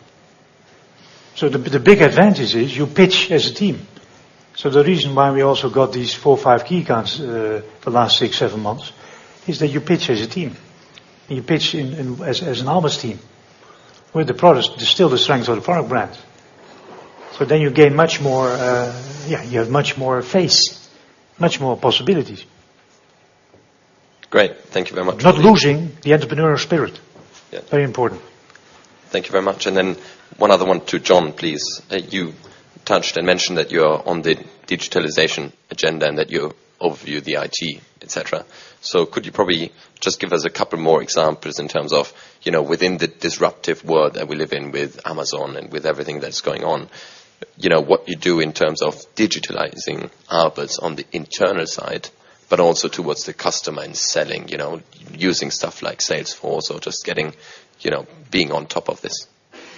The big advantage is you pitch as a team. The reason why we also got these four or five key accounts the last six, seven months is that you pitch as a team, and you pitch as an Aalberts team with the products, there's still the strength of the product brands. Then you have much more face, much more possibilities. Great. Thank you very much. Not losing the entrepreneurial spirit. Yeah. Very important. Thank you very much. Then one other one to John, please. You touched and mentioned that you're on the digitalization agenda and that you overview the IT, et cetera. Could you probably just give us a couple more examples in terms of within the disruptive world that we live in with Amazon and with everything that's going on, what you do in terms of digitalizing Aalberts on the internal side, but also towards the customer and selling, using stuff like Salesforce or just being on top of this.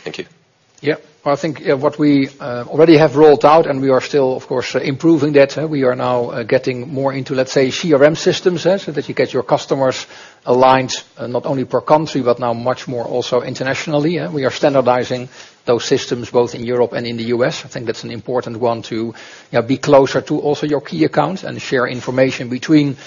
Thank you. Yeah. Well, I think what we already have rolled out, and we are still, of course, improving that, we are now getting more into, let's say, CRM systems, so that you get your customers aligned, not only per country, but now much more also internationally. We are standardizing those systems both in Europe and in the U.S. I think that's an important one to be closer to also your key accounts and share information between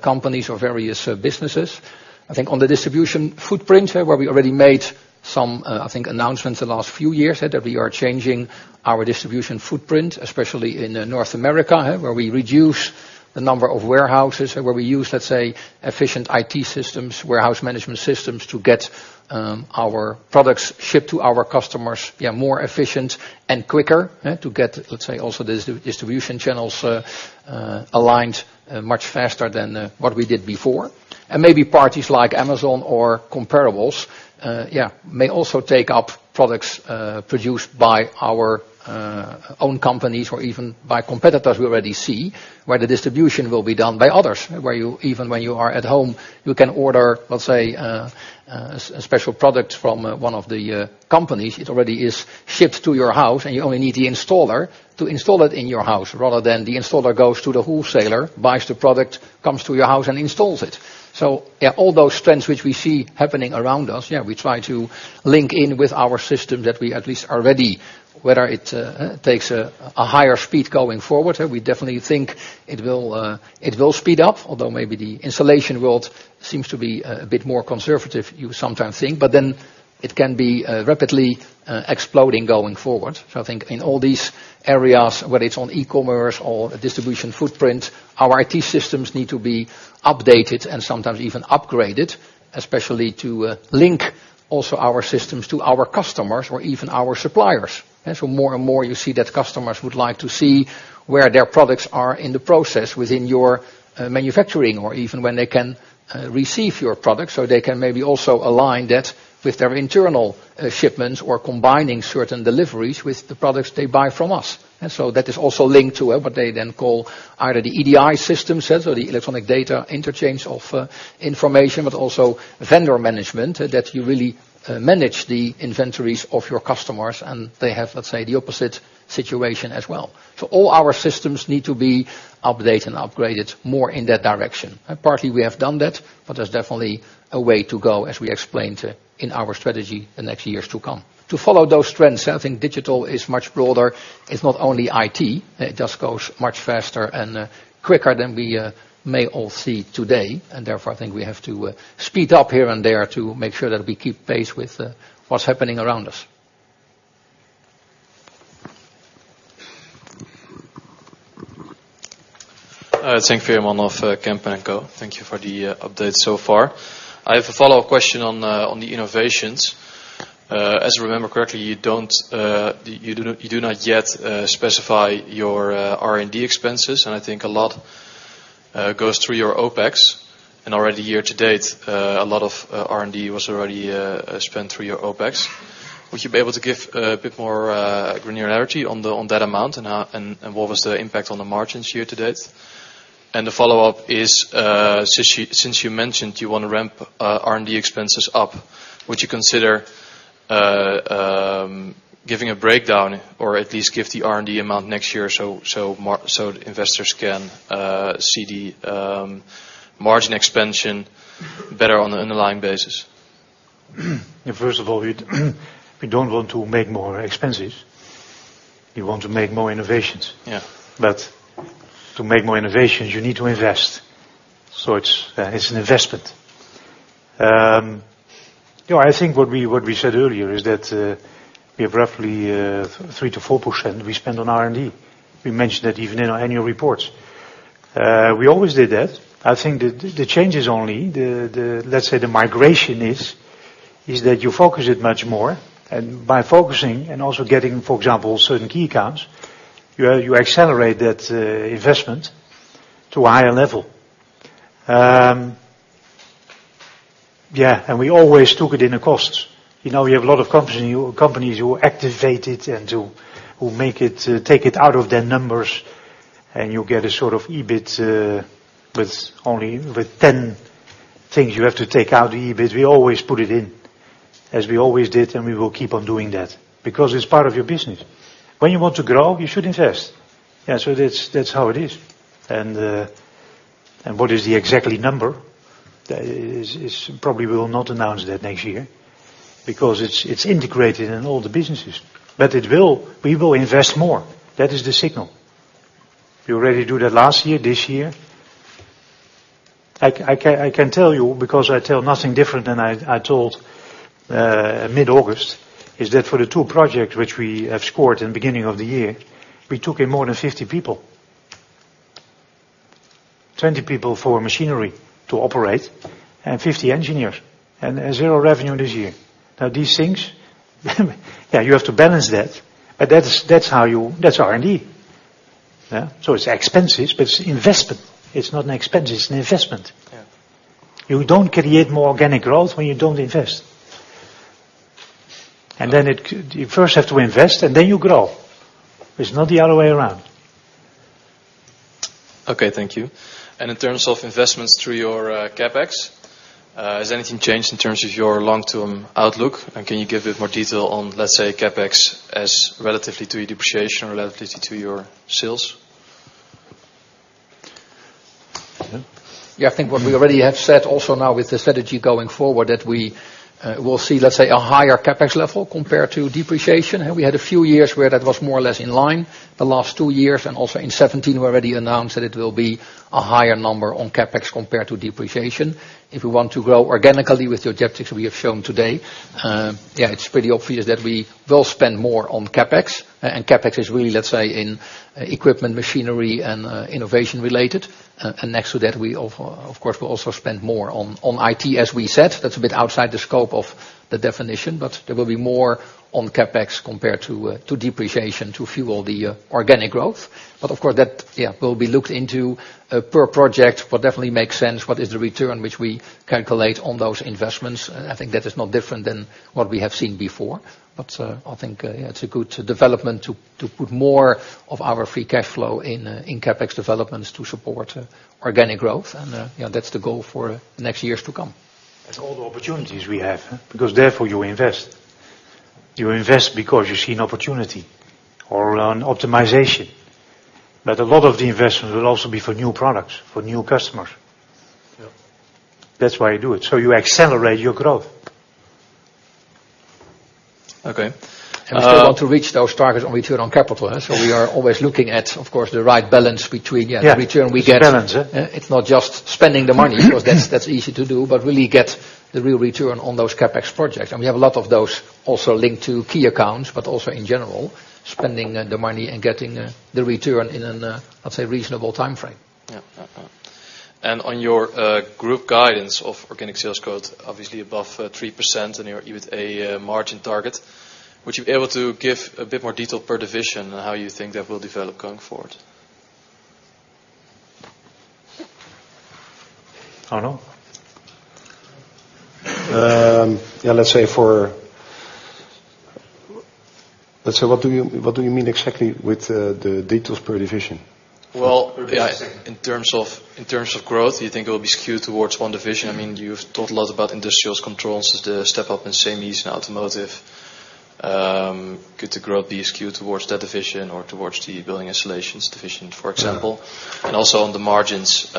companies or various businesses. I think on the distribution footprint, where we already made some, I think, announcements the last few years, that we are changing our distribution footprint, especially in North America, where we reduce the number of warehouses. Where we use, let's say, efficient IT systems, warehouse management systems, to get our products shipped to our customers more efficient and quicker. To get, let's say, also the distribution channels aligned much faster than what we did before. Maybe parties like Amazon or comparables, may also take up products produced by our own companies or even by competitors. We already see where the distribution will be done by others, where even when you are at home, you can order, let's say, a special product from one of the companies. It already is shipped to your house, and you only need the installer to install it in your house, rather than the installer goes to the wholesaler, buys the product, comes to your house and installs it. Yeah, all those trends which we see happening around us, we try to link in with our system that we at least are ready. Whether it takes a higher speed going forward, we definitely think it will speed up, although maybe the installation world seems to be a bit more conservative, you sometimes think. But then it can be rapidly exploding going forward. I think in all these areas, whether it's on e-commerce or distribution footprint, our IT systems need to be updated and sometimes even upgraded, especially to link also our systems to our customers or even our suppliers. More and more you see that customers would like to see where their products are in the process within your manufacturing or even when they can receive your product. They can maybe also align that with their internal shipments or combining certain deliveries with the products they buy from us. That is also linked to what they then call either the EDI system, so the electronic data interchange of information, but also vendor management, that you really manage the inventories of your customers, and they have, let's say, the opposite situation as well. All our systems need to be updated and upgraded more in that direction. Partly we have done that, but there's definitely a way to go, as we explained in our strategy the next years to come. To follow those trends, I think digital is much broader. It's not only IT, it just goes much faster and quicker than we may all see today. Therefore, I think we have to speed up here and there to make sure that we keep pace with what's happening around us. Zink Vera Monoff, Kempen & Co. Thank you for the update so far. I have a follow-up question on the innovations. As I remember correctly, you do not yet specify your R&D expenses, and I think a lot goes through your OpEx. Already year-to-date, a lot of R&D was already spent through your OpEx. Would you be able to give a bit more granularity on that amount and what was the impact on the margins year-to-date? The follow-up is, since you mentioned you want to ramp R&D expenses up, would you consider giving a breakdown or at least give the R&D amount next year so investors can see the margin expansion better on an underlying basis? First of all, we don't want to make more expenses. We want to make more innovations. Yeah. To make more innovations, you need to invest. It's an investment. I think what we said earlier is that we have roughly 3%-4% we spend on R&D. We mentioned that even in our annual reports. We always did that. I think the change is only, let's say, the migration is that you focus it much more. By focusing and also getting, for example, certain key accounts, you accelerate that investment to a higher level. We always took it in a cost. You have a lot of companies who activate it and who take it out of their numbers, and you get a sort of EBIT, with 10 things you have to take out the EBIT. We always put it in, as we always did, and we will keep on doing that because it's part of your business. When you want to grow, you should invest. That's how it is. What is the exact number? Probably we will not announce that next year because it's integrated in all the businesses. We will invest more. That is the signal. We already do that last year, this year. I can tell you, because I tell nothing different than I told mid-August, is that for the two projects which we have scored in the beginning of the year, we took in more than 50 people. 20 people for machinery to operate and 50 engineers, and zero revenue this year. Now these things, you have to balance that, but that's R&D. It's expenses, but it's investment. It's not an expense, it's an investment. Yeah. You don't create more organic growth when you don't invest. You first have to invest and then you grow. It's not the other way around. Okay. Thank you. In terms of investments through your CapEx, has anything changed in terms of your long-term outlook? Can you give a bit more detail on, let's say, CapEx as relatively to your depreciation, relatively to your sales? Yeah, I think what we already have said also now with the strategy going forward, that we will see, let's say, a higher CapEx level compared to depreciation. We had a few years where that was more or less in line. The last two years, also in 2017, we already announced that it will be a higher number on CapEx compared to depreciation. If we want to grow organically with the objectives we have shown today, yeah, it's pretty obvious that we will spend more on CapEx. CapEx is really, let's say, in equipment, machinery, and innovation related. Next to that, we of course will also spend more on IT, as we said. That's a bit outside the scope of the definition, there will be more on CapEx compared to depreciation to fuel the organic growth. Of course, that will be looked into per project. What definitely makes sense, what is the return which we calculate on those investments? I think that is not different than what we have seen before. I think it's a good development to put more of our free cash flow in CapEx developments to support organic growth. That's the goal for next years to come. That's all the opportunities we have, because therefore you invest. You invest because you see an opportunity or an optimization, but a lot of the investment will also be for new products, for new customers. Yeah. That's why you do it. You accelerate your growth. Okay. We still want to reach those targets on return on capital. We are always looking at, of course, the right balance between the return we get. Yeah, it's a balance. It's not just spending the money, because that's easy to do, but really get the real return on those CapEx projects. We have a lot of those also linked to key accounts, but also in general, spending the money and getting the return in an, let's say, reasonable timeframe. Yeah. On your group guidance of organic sales growth, obviously above 3% and you with a margin target. Would you be able to give a bit more detail per division on how you think that will develop going forward? Arno? Yeah, let's say, what do you mean exactly with the details per division? Well, in terms of growth, do you think it will be skewed towards one division? You've talked a lot about industrial controls as the step up in SEMI's and automotive. Could the growth be skewed towards that division or towards the building installations division, for example? Also on the margins,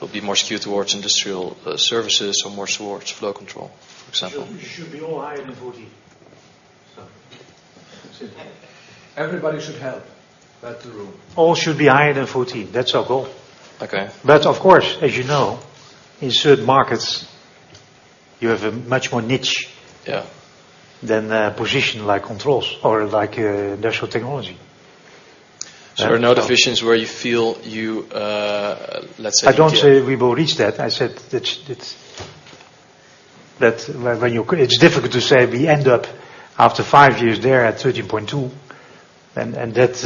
will it be more skewed towards industrial services or more towards flow control, for example? Should be all higher than 14. Everybody should help. That's the rule. All should be higher than 14. That's our goal. Okay. Of course, as you know, in certain markets, you have a much more niche- Yeah than a position like controls or like Industrial Technology. There are no divisions where you feel you, let's say- I don't say we will reach that. I said it's difficult to say we end up after five years there at 13.2%, and that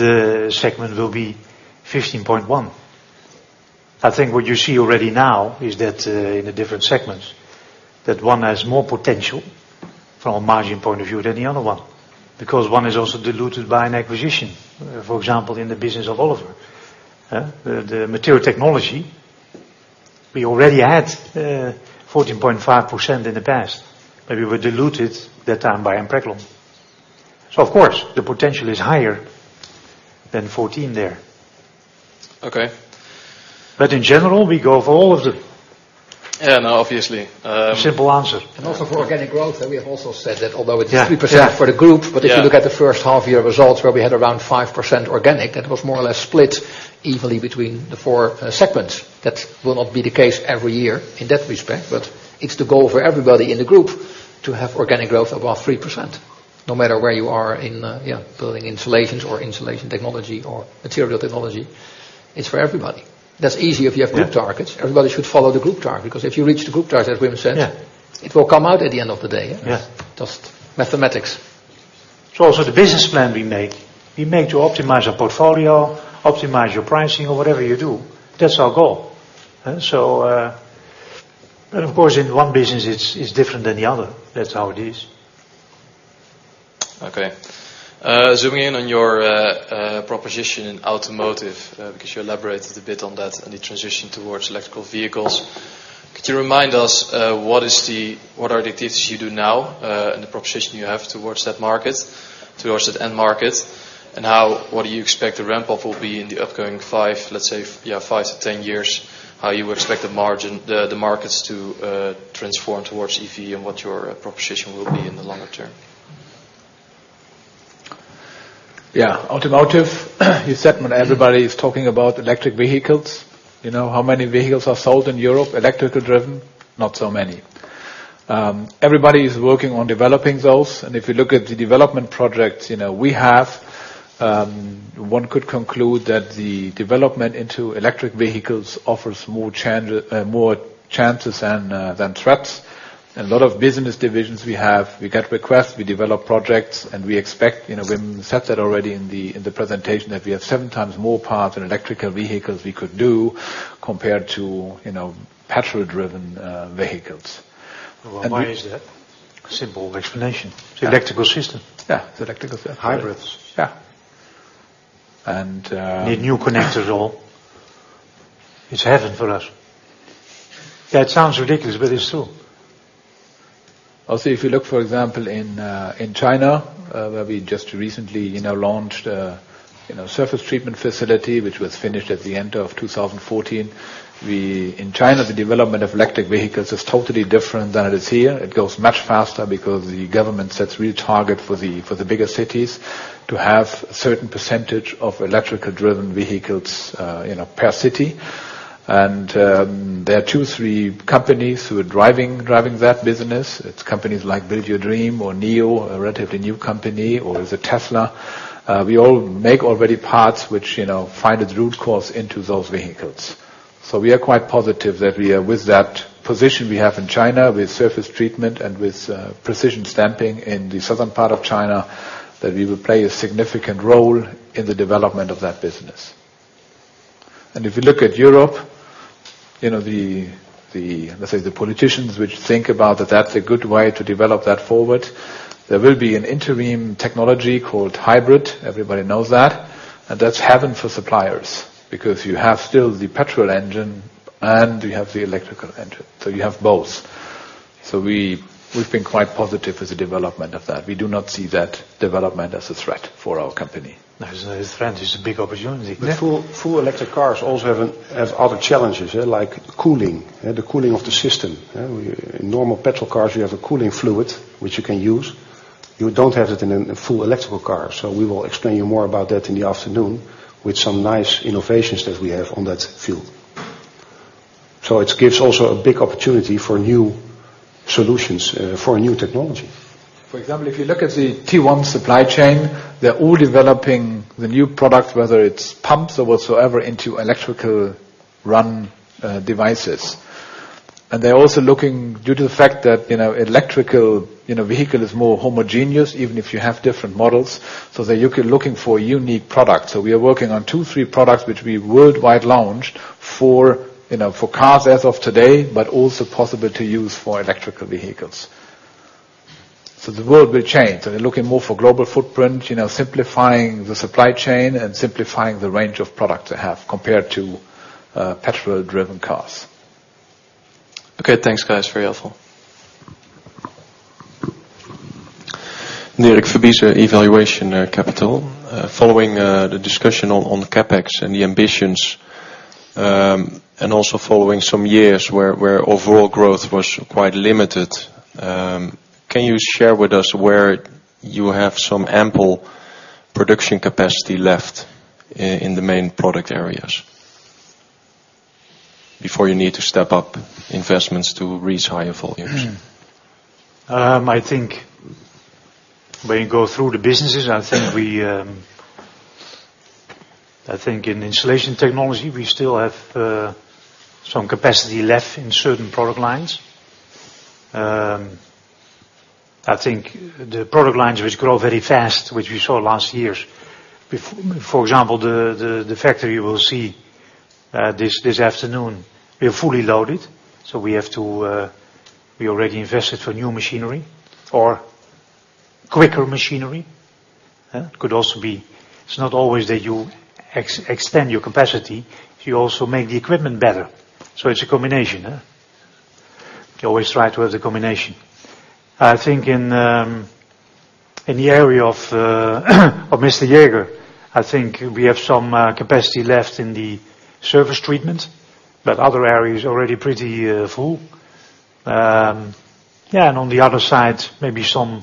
segment will be 15.1%. I think what you see already now is that in the different segments that one has more potential from a margin point of view than the other one, because one is also diluted by an acquisition. For example, in the business of Oliver. The Material Technology, we already had 14.5% in the past, but we were diluted that time by Impreglon. Of course, the potential is higher than 14% there. Okay. In general, we go for all of the- Yeah, no, obviously. Simple answer. Also for organic growth, we have also said that although it is 3% for the group, but if you look at the first half-year results where we had around 5% organic, that was more or less split evenly between the four segments. That will not be the case every year in that respect, but it's the goal for everybody in the group to have organic growth above 3%, no matter where you are in building installations or insulation technology or material technology. It's for everybody. That's easy if you have group targets. Everybody should follow the group target, because if you reach the group target, as Wim said. Yeah It will come out at the end of the day. Yeah. Just mathematics. It's also the business plan we make. We make to optimize our portfolio, optimize your pricing or whatever you do. That's our goal. Of course, in one business, it's different than the other. That's how it is. Okay. Zooming in on your proposition in automotive, because you elaborated a bit on that and the transition towards electric vehicles. Could you remind us what are the things you do now and the proposition you have towards that market, towards that end market? What do you expect the ramp up will be in the upcoming five, let's say, yeah, 5-10 years? How you expect the markets to transform towards EV and what your proposition will be in the longer term? Yeah, automotive, you said when everybody is talking about electric vehicles, you know how many vehicles are sold in Europe, electric-driven? Not so many. Everybody is working on developing those. If you look at the development projects we have, one could conclude that the development into electric vehicles offers more chances than threats. A lot of business divisions we have, we get requests, we develop projects. We expect, Wim said that already in the presentation, that we have seven times more parts in electric vehicles we could do compared to petrol-driven vehicles. Well, why is that? Simple explanation. It's electric system. Yeah. It's electric system. Hybrids. Yeah. Need new connectors. It's heaven for us. Yeah, it sounds ridiculous, but it's true. If you look, for example, in China, where we just recently launched a surface treatment facility, which was finished at the end of 2014. In China, the development of electric vehicles is totally different than it is here. It goes much faster because the government sets real target for the bigger cities to have a certain percentage of electrical driven vehicles per city. There are two, three companies who are driving that business. It's companies like Build Your Dreams or NIO, a relatively new company, or there's Tesla. We all make already parts which find its root cause into those vehicles. We are quite positive that with that position we have in China, with surface treatment and with precision stamping in the southern part of China, that we will play a significant role in the development of that business. If you look at Europe, let's say the politicians which think about that's a good way to develop that forward. There will be an interim technology called hybrid. Everybody knows that's heaven for suppliers because you have still the petrol engine and you have the electrical engine, you have both. We've been quite positive with the development of that. We do not see that development as a threat for our company. No, it's not a threat, it's a big opportunity. Full electric cars also have other challenges there, like cooling. The cooling of the system. In normal petrol cars, you have a cooling fluid which you can use. You don't have it in a full electric car. We will explain you more about that in the afternoon with some nice innovations that we have on that field. It gives also a big opportunity for new solutions, for new technology. For example, if you look at the tier 1 supply chain, they're all developing the new product, whether it's pumps or whatsoever, into electric-run devices. They're also looking due to the fact that electric vehicle is more homogeneous, even if you have different models, so that you can looking for a unique product. We are working on two, three products, which we worldwide launched for cars as of today, but also possible to use for electric vehicles. The world will change, and we're looking more for global footprint, simplifying the supply chain and simplifying the range of product to have compared to petrol-driven cars. Okay, thanks, guys. Very helpful. Dirk Verbiesen, Valuation Capital. Following the discussion on CapEx and the ambitions, also following some years where overall growth was quite limited, can you share with us where you have some ample production capacity left in the main product areas before you need to step up investments to reach higher volumes? I think when you go through the businesses, I think in insulation technology, we still have some capacity left in certain product lines. I think the product lines which grow very fast, which we saw last years, for example, the factory you will see this afternoon, we are fully loaded, we already invested for new machinery or quicker machinery. Could also be, it's not always that you extend your capacity, you also make the equipment better. It's a combination. You always try to have the combination. I think in the area of Mr. Jäger, I think we have some capacity left in the surface treatment, but other areas already pretty full. On the other side, maybe some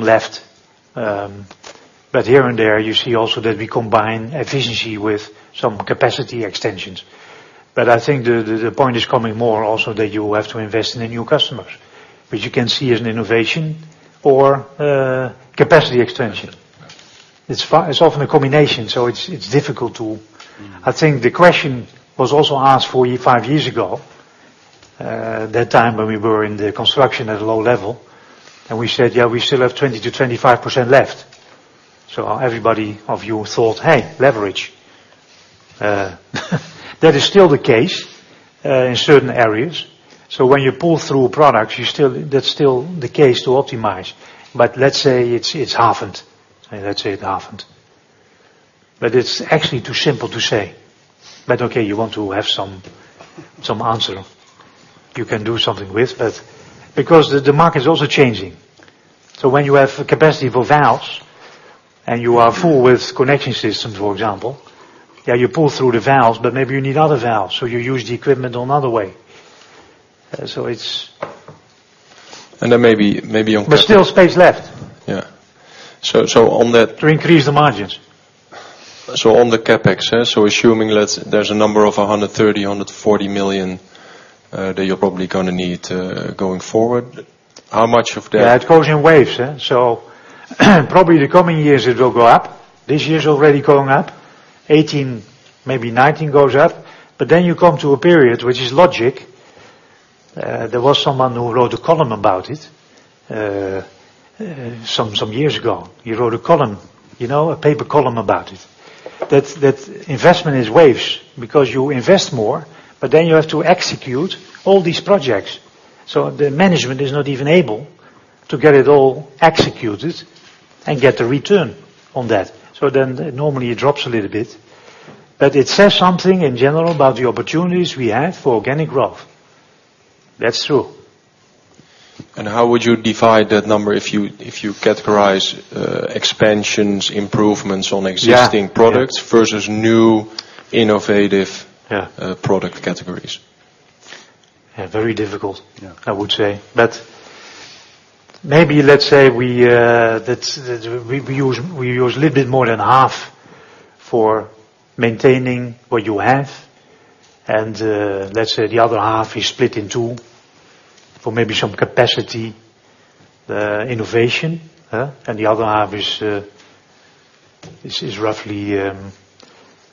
left. Here and there you see also that we combine efficiency with some capacity extensions. I think the point is coming more also that you have to invest in the new customers, which you can see as an innovation or capacity extension. It's often a combination, I think the question was also asked four or five years ago, that time when we were in the construction at a low level, and we said, "Yeah, we still have 20%-25% left." Everybody of you thought, "Hey, leverage." That is still the case in certain areas. When you pull through products, that's still the case to optimize. Let's say it's halved. It's actually too simple to say. Okay, you want to have some answer you can do something with, because the market is also changing. When you have capacity for valves and you are full with connection systems, for example, yeah, you pull through the valves, but maybe you need other valves, you use the equipment another way. maybe. Still space left. Yeah. To increase the margins. On the CapEx, assuming there's a number of 130 million, 140 million that you're probably going to need going forward, how much of that- Yeah, it goes in waves, yeah? Probably the coming years it will go up. This year's already going up. 2018, maybe 2019 goes up. You come to a period which is logical. There was someone who wrote a column about it some years ago. He wrote a column, a paper column about it. That investment is waves because you invest more, you have to execute all these projects. The management is not even able to get it all executed and get a return on that. Normally it drops a little bit. It says something in general about the opportunities we have for organic growth. That's true. How would you divide that number if you categorize expansions, improvements on existing products- Yeah versus new innovative- Yeah product categories? Yeah, very difficult. Yeah I would say. Maybe let's say we use little bit more than half for maintaining what you have, and let's say the other half is split in two for maybe some capacity innovation. The other half is roughly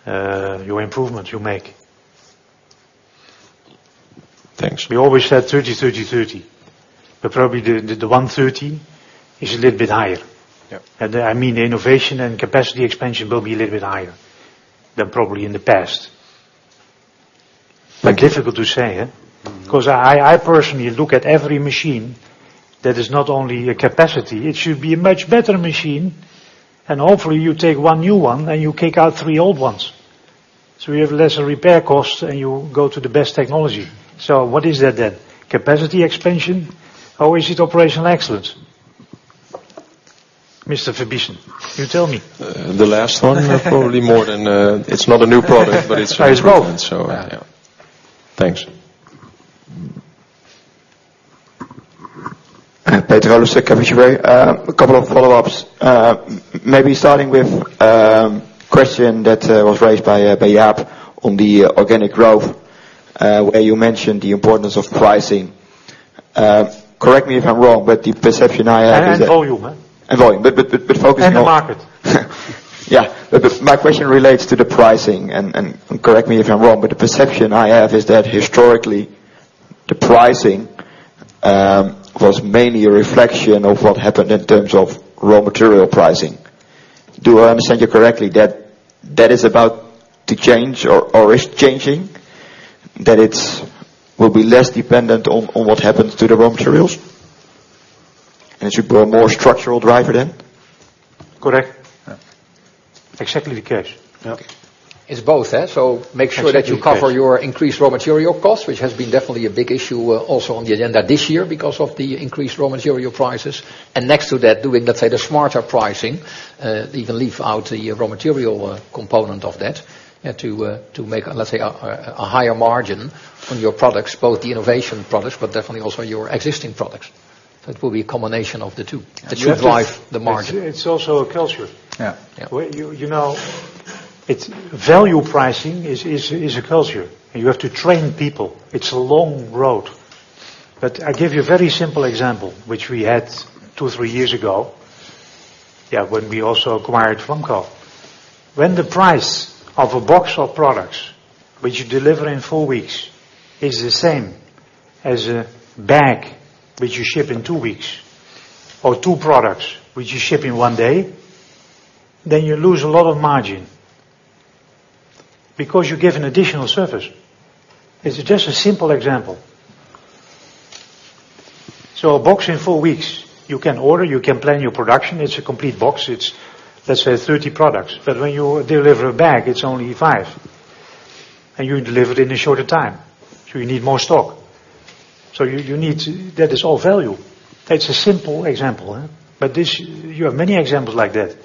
your improvements you make. Thanks. We always said 30/30/30, probably the one 30 is a little bit higher. Yeah. I mean innovation and capacity expansion will be a little bit higher than probably in the past. Difficult to say, huh? I personally look at every machine that is not only a capacity. It should be a much better machine, hopefully you take one new one, and you kick out three old ones. You have lesser repair costs, and you go to the best technology. What is that then? Capacity expansion, or is it operational excellence? Mr. Verbiesen, you tell me. The last one probably more than. It's not a new product, but it's. It's growth. yeah. Thanks. Peter, a couple of follow-ups. Starting with a question that was raised by Jaap on the organic growth, where you mentioned the importance of pricing. Correct me if I'm wrong, the perception I have is that- Volume, huh? Volume. Focusing on- Market. Yeah. My question relates to the pricing, and correct me if I'm wrong, but the perception I have is that historically the pricing was mainly a reflection of what happened in terms of raw material pricing. Do I understand you correctly that is about to change or is changing? That it will be less dependent on what happens to the raw materials, and it should be a more structural driver then? Correct. Yeah. Exactly the case. Okay. It's both. Make sure that you cover your increased raw material costs, which has been definitely a big issue also on the agenda this year because of the increased raw material prices. Next to that, doing let's say the smarter pricing, even leave out the raw material component of that to make, let's say, a higher margin on your products, both the innovation products, but definitely also your existing products. That will be a combination of the two that should drive the margin. It's also a culture. Yeah. Value pricing is a culture. You have to train people. It's a long road. I give you a very simple example, which we had two, three years ago. Yeah. When we also acquired Flamco. When the price of a box of products which you deliver in four weeks is the same as a bag which you ship in two weeks, or two products which you ship in one day, then you lose a lot of margin because you give an additional service. It's just a simple example. A box in four weeks, you can order, you can plan your production. It's a complete box. It's, let's say, 30 products. When you deliver a bag, it's only five, and you deliver it in a shorter time, so you need more stock. That is all value. That's a simple example, but you have many examples like that.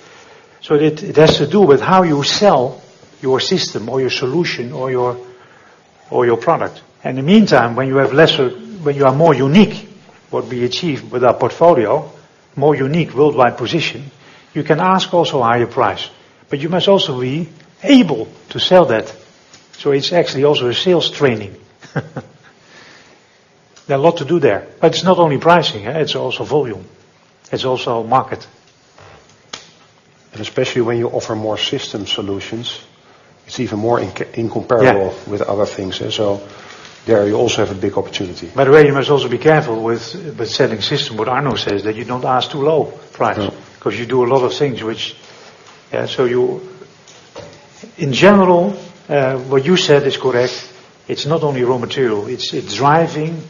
It has to do with how you sell your system or your solution or your product. In the meantime, when you are more unique, what we achieve with our portfolio, more unique worldwide position, you can ask also a higher price, but you must also be able to sell that. It's actually also a sales training. There are a lot to do there. It's not only pricing, it's also volume. It's also market. Especially when you offer more system solutions, it's even more incomparable- Yeah with other things. There you also have a big opportunity. By the way, you must also be careful with selling system, what Arno says, that you don't ask too low price. No. You do a lot of things. In general, what you said is correct. It's not only raw material. It's driving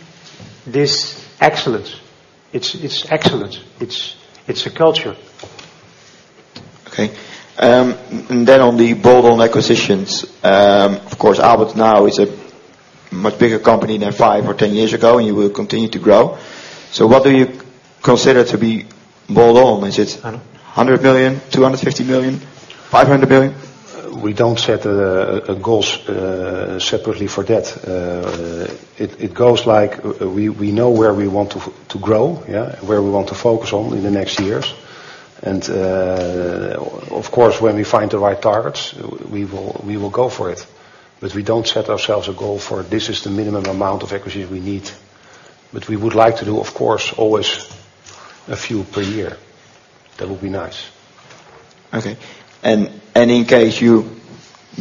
this excellence. It's excellence. It's a culture. Okay. On the bolt on acquisitions, of course, Aalberts now is a much bigger company than 5 or 10 years ago, and you will continue to grow. What do you consider to be bold on? Is it 100 million? 250 million? 500 million? We don't set goals separately for that. It goes like we know where we want to grow, where we want to focus on in the next years. Of course, when we find the right targets, we will go for it. We don't set ourselves a goal for this is the minimum amount of equities we need. We would like to do, of course, always a few per year. That would be nice. Okay. In case you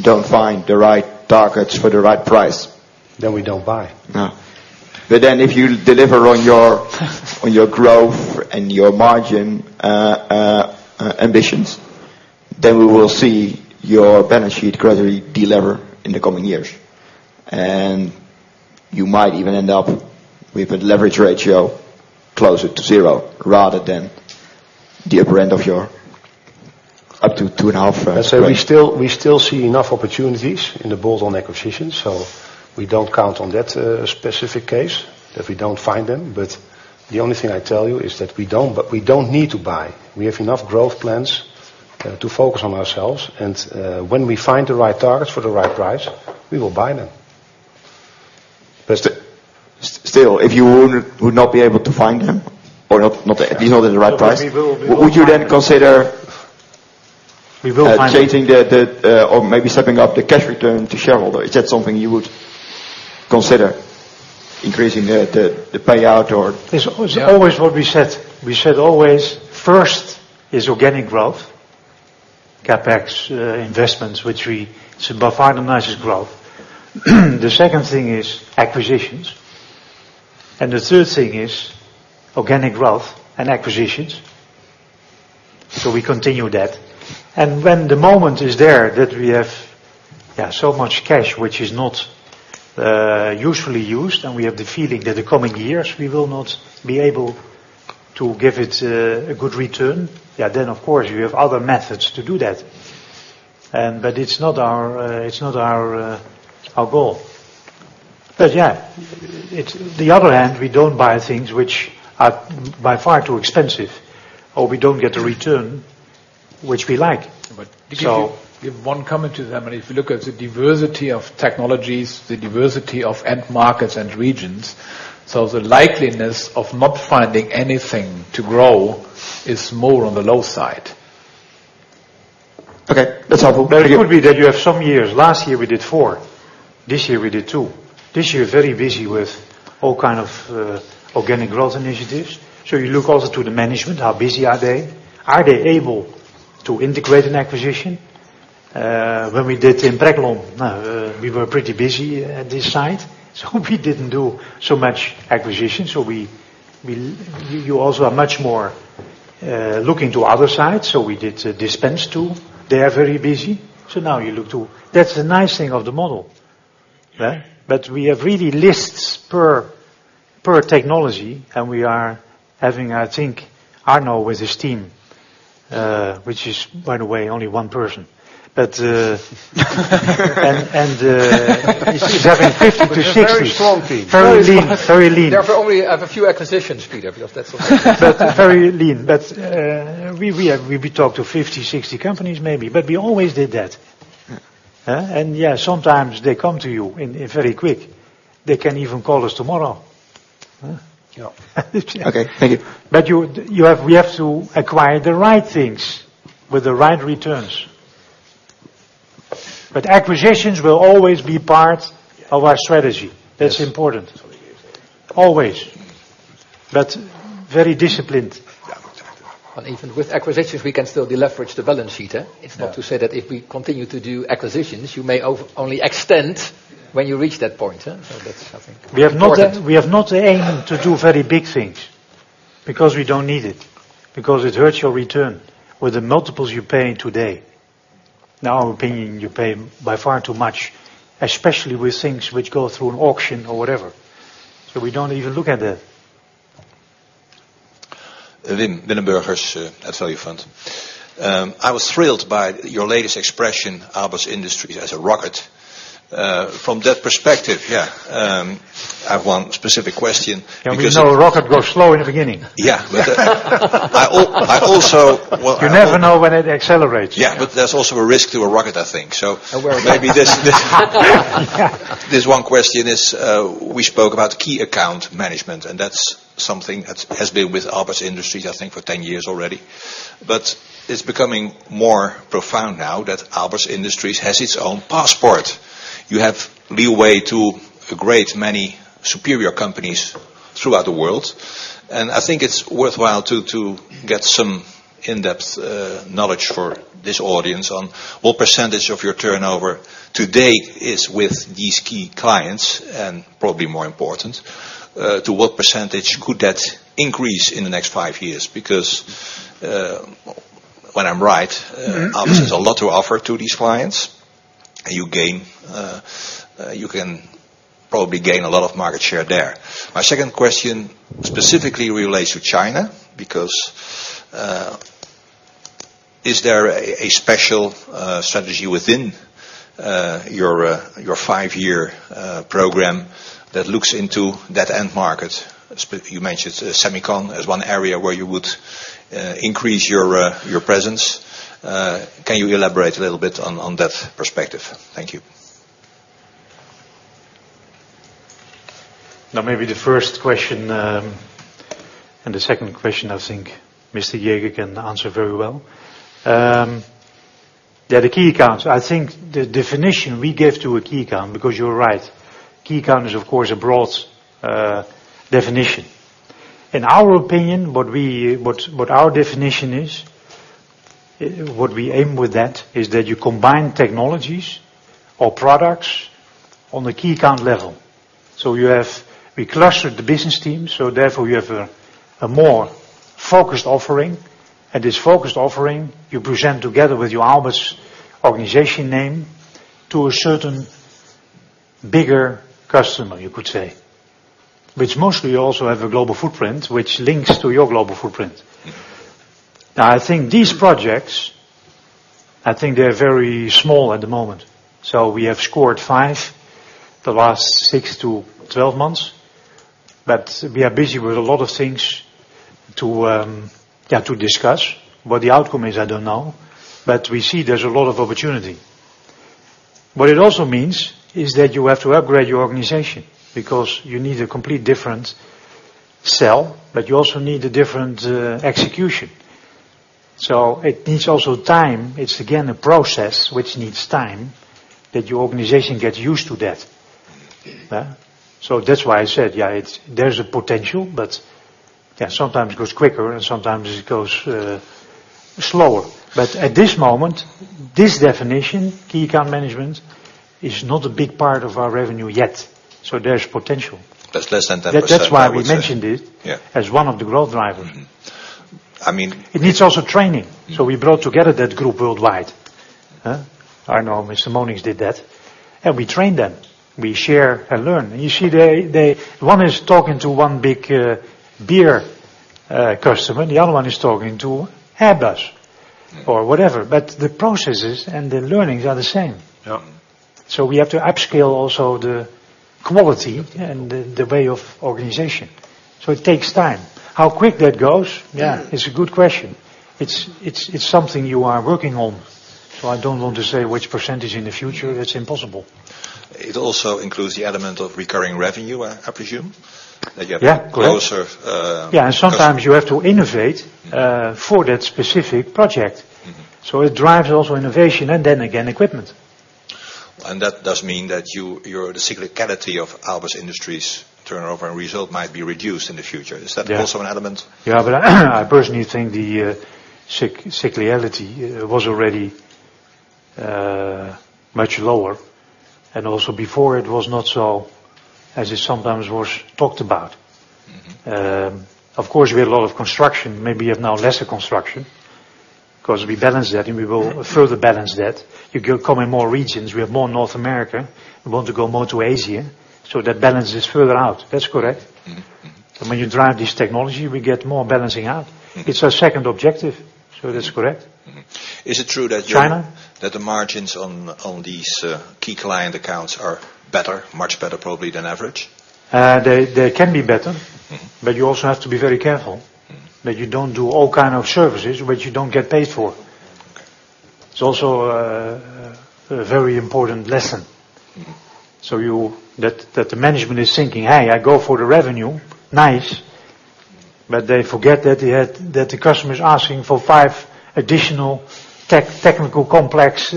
don't find the right targets for the right price? We don't buy. No. If you deliver on your growth and your margin ambitions, we will see your balance sheet gradually de-lever in the coming years. You might even end up with a leverage ratio closer to zero rather than the upper end of your up to 2.5. We still see enough opportunities in the bolt-on acquisitions. We don't count on that specific case if we don't find them. The only thing I tell you is that we don't need to buy. We have enough growth plans to focus on ourselves. When we find the right targets for the right price, we will buy them. Still, if you would not be able to find them or not at the right price- We will find them Would you then consider- We will find them changing or maybe stepping up the cash return to shareholder? Is that something you would consider increasing the payout? It's always what we said. We said always, first is organic growth, CapEx investments, which we say by far the nicest growth. The second thing is acquisitions. The third thing is organic growth and acquisitions. We continue that. When the moment is there that we have so much cash which is not usefully used, and we have the feeling that the coming years we will not be able to give it a good return, of course we have other methods to do that. It's not our goal. On the other hand, we don't buy things which are by far too expensive or we don't get a return which we like. If one come into them, and if you look at the diversity of technologies, the diversity of end markets and regions, the likeliness of not finding anything to grow is more on the low side. Okay. That's helpful. Very good. It could be that you have some years. Last year we did four, this year we did two. This year very busy with all kind of organic growth initiatives. You look also to the management, how busy are they? Are they able to integrate an acquisition? When we did in Impreglon, we were pretty busy at this site, so we didn't do so much acquisition. You also are much more looking to other sides. We did Dispense too. They are very busy. That's the nice thing of the model. Yeah. We have really lists per technology, and we are having, I think, Arno with his team, which is by the way only one person. He's having 50 to 60- Very strong team Very lean. Very lean. There are only a few acquisitions, Peter, because that's. Very lean. We talk to 50, 60 companies maybe. We always did that. Yeah. Yeah, sometimes they come to you very quick. They can even call us tomorrow. Okay. Thank you. We have to acquire the right things with the right returns. Acquisitions will always be part of our strategy. Yes. That's important. Always. Very disciplined. Yeah, exactly. Even with acquisitions, we can still deleverage the balance sheet. Yeah. It's not to say that if we continue to do acquisitions, you may only extend when you reach that point. That's, I think, important. We have not aimed to do very big things because we don't need it, because it hurts your return with the multiples you're paying today. In our opinion, you pay by far too much, especially with things which go through an auction or whatever. We don't even look at that. Wim Linnenbergers at Value Fund. I was thrilled by your latest expression, Aalberts Industries as a rocket. From that perspective, yeah, I have one specific question. We know a rocket goes slow in the beginning. Yeah. I also, well, You never know when it accelerates. Yeah. There's also a risk to a rocket, I think. Oh, very. Maybe there's one question is, we spoke about key account management, and that's something that has been with Aalberts Industries, I think, for 10 years already. It's becoming more profound now that Aalberts Industries has its own passport. You have leeway to a great many superior companies throughout the world. I think it's worthwhile to get some in-depth knowledge for this audience on what percentage of your turnover to date is with these key clients, and probably more important, to what percentage could that increase in the next five years? Because, when I'm right. Aalberts has a lot to offer to these clients. You can probably gain a lot of market share there. My second question specifically relates to China because, is there a special strategy within your five-year program that looks into that end market? You mentioned semiconductor as one area where you would increase your presence. Can you elaborate a little bit on that perspective? Thank you. Maybe the first question and the second question, I think Mr. Jäger can answer very well. The key accounts. I think the definition we give to a key account, because you're right, key account is, of course, a broad definition. In our opinion, what our definition is, what we aim with that is that you combine technologies or products on the key account level. We clustered the business teams, so therefore you have a more focused offering. This focused offering, you present together with your Aalberts organization name to a certain. Bigger customer, you could say. Which mostly also have a global footprint, which links to your global footprint. I think these projects, they're very small at the moment. We have scored five the last 6 to 12 months, but we are busy with a lot of things to discuss. What the outcome is, I don't know, but we see there's a lot of opportunity. What it also means is that you have to upgrade your organization because you need a complete different sell, but you also need a different execution. It needs also time. It's, again, a process which needs time that your organization gets used to that. Yeah. That's why I said, yeah, there's a potential, but yeah, sometimes it goes quicker and sometimes it goes slower. At this moment, this definition, key account management, is not a big part of our revenue yet. There's potential. That's less than 10%, I would say. That's why we mentioned it. Yeah as one of the growth drivers. It needs also training. We brought together that group worldwide. I know Mr. Monincx did that, we train them. We share and learn. You see, one is talking to one big beer customer, the other one is talking to Airbus or whatever, but the processes and the learnings are the same. Yeah. We have to upscale also the quality and the way of organization. It takes time. How quick that goes- Yeah is a good question. It's something you are working on, I don't want to say which percentage in the future. It's impossible. It also includes the element of recurring revenue, I presume? Yeah, correct. closer customer. Sometimes you have to innovate for that specific project. It drives also innovation and then again, equipment. That does mean that the cyclicality of Aalberts Industries' turnover and result might be reduced in the future. Is that also an element? I personally think the cyclicality was already much lower. Also before it was not so as it sometimes was talked about. Of course, we had a lot of construction. Maybe you have now lesser construction because we balanced that, and we will further balance that. You go cover more regions. We have more North America. We want to go more to Asia. That balances further out. That's correct. When you drive this technology, we get more balancing out. It's our second objective, so that's correct. Mm-hmm. Is it true that? China that the margins on these key client accounts are better, much better probably than average? They can be better. You also have to be very careful. that you don't do all kind of services which you don't get paid for. Okay. It's also a very important lesson. The management is thinking, "Hey, I go for the revenue." Nice. They forget that the customer is asking for five additional technical complex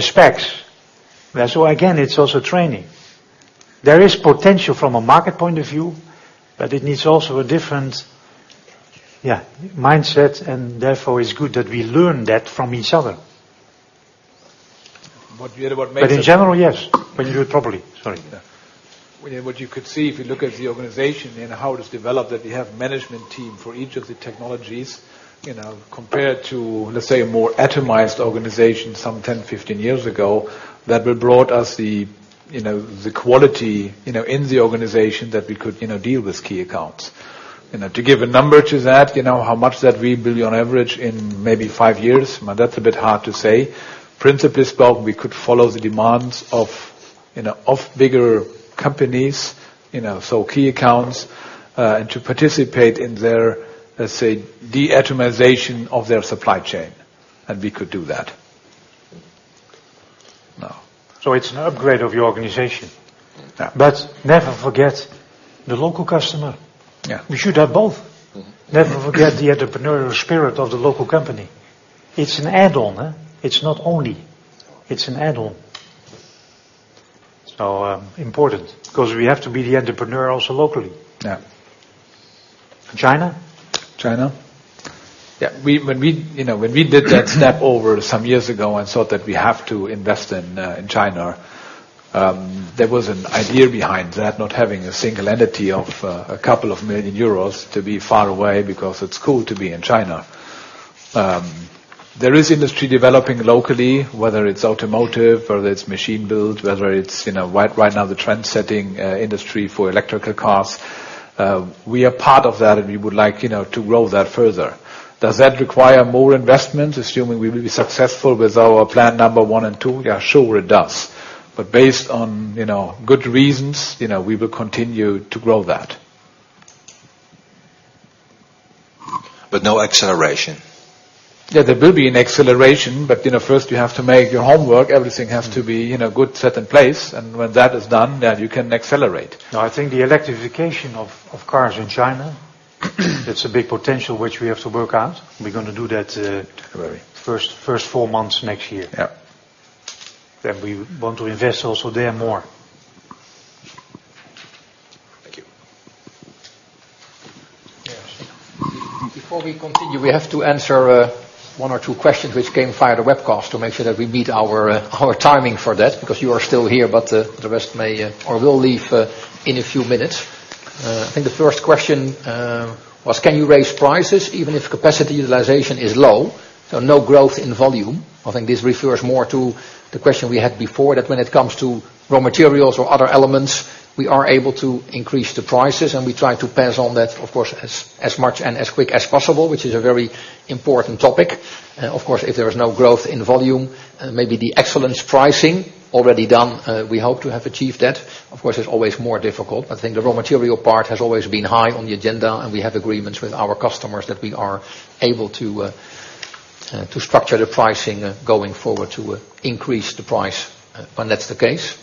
specs. Again, it's also training. There is potential from a market point of view, but it needs also a different mindset, and therefore, it's good that we learn that from each other. What makes it. In general, yes. You do it properly. Sorry. Yeah. What you could see if you look at the organization and how it is developed, that we have management team for each of the technologies, compared to, let's say, a more atomized organization some 10, 15 years ago, that what brought us the quality in the organization that we could deal with key accounts. To give a number to that, how much that we bill on average in maybe five years, that's a bit hard to say. Principally spoken, we could follow the demands of bigger companies, so key accounts, and to participate in their, let's say, de-atomization of their supply chain, and we could do that. Now. It's an upgrade of your organization. Yeah. never forget the local customer. Yeah. We should have both. Never forget the entrepreneurial spirit of the local company. It's an add-on. It's not only. It's an add-on. Important, because we have to be the entrepreneur also locally. Yeah. China? China. Yeah. When we did that step over some years ago and thought that we have to invest in China, there was an idea behind that, not having a single entity of a couple of million EUR to be far away because it's cool to be in China. There is industry developing locally, whether it's automotive, whether it's machine build, whether it's right now the trendsetting industry for electrical cars. We are part of that, and we would like to grow that further. Does that require more investment, assuming we will be successful with our plan number 1 and 2? Yeah, sure it does. Based on good reasons, we will continue to grow that. No acceleration. There will be an acceleration, but first you have to make your homework. Everything has to be good, set in place. When that is done, then you can accelerate. I think the electrification of cars in China, that's a big potential which we have to work out. We're going to do that. February first four months next year. Yeah. We want to invest also there more. Thank you. Yes. Before we continue, we have to answer one or two questions which came via the webcast to make sure that we meet our timing for that, because you are still here, but the rest may or will leave in a few minutes. I think the first question was: Can you raise prices even if capacity utilization is low, so no growth in volume? I think this refers more to the question we had before, that when it comes to raw materials or other elements, we are able to increase the prices, and we try to pass on that, of course, as much and as quickly as possible, which is a very important topic. Of course, if there is no growth in volume, maybe the excellence pricing already done, we hope to have achieved that. Of course, it's always more difficult. I think the raw material part has always been high on the agenda, and we have agreements with our customers that we are able to structure the pricing going forward to increase the price when that's the case.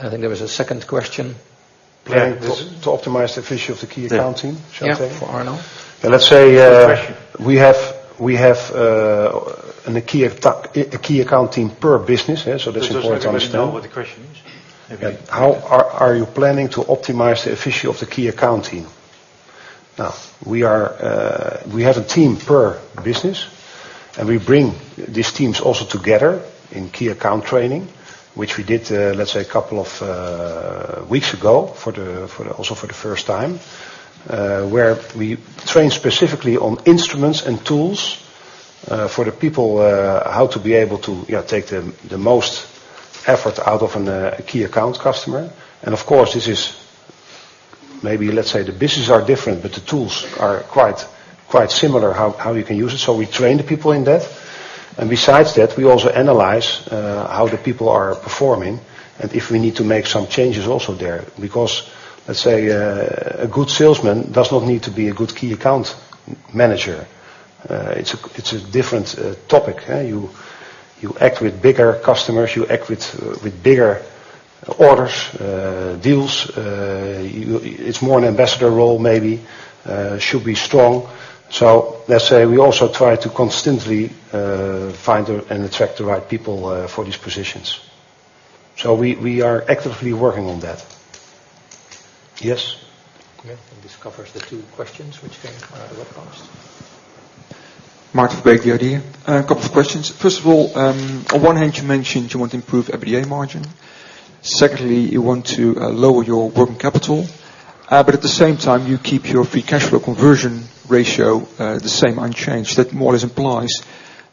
I think there was a second question. Planning to optimize the efficiency of the key account team, shall say? Yeah. For Arno. Let's say. Good question. we have a key account team per business. That's important to understand. Does anybody know what the question is? Okay. How are you planning to optimize the efficiency of the key account team? We have a team per business, we bring these teams also together in key account training, which we did, let's say, a couple of weeks ago also for the first time, where we train specifically on instruments and tools for the people, how to be able to take the most effort out of a key account customer. Of course, maybe, let's say, the business are different, the tools are quite similar on how you can use it. We train the people in that. Besides that, we also analyze how the people are performing and if we need to make some changes also there. Let's say, a good salesman does not need to be a good key account manager. It's a different topic. You act with bigger customers, you act with bigger orders, deals. It's more an ambassador role maybe, should be strong. Let's say, we also try to constantly find and attract the right people for these positions. We are actively working on that. Yes? Okay, this covers the two questions, which came across. Mark Verbeek, DRD. A couple of questions. First of all, on one hand, you mentioned you want to improve EBITDA margin. Secondly, you want to lower your working capital. At the same time, you keep your free cash flow conversion ratio the same, unchanged. That more or less implies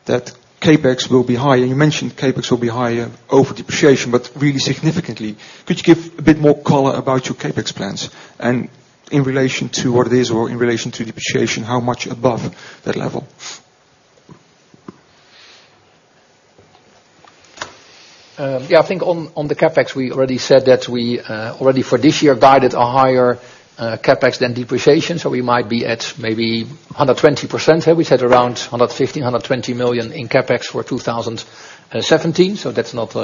that CapEx will be high, and you mentioned CapEx will be higher over depreciation, but really significantly. Could you give a bit more color about your CapEx plans and in relation to what it is or in relation to depreciation, how much above that level? Yeah, I think on the CapEx, we already said that we already for this year guided a higher CapEx than depreciation, so we might be at maybe 120%. We said around 150 million, 120 million in CapEx for 2017. That's not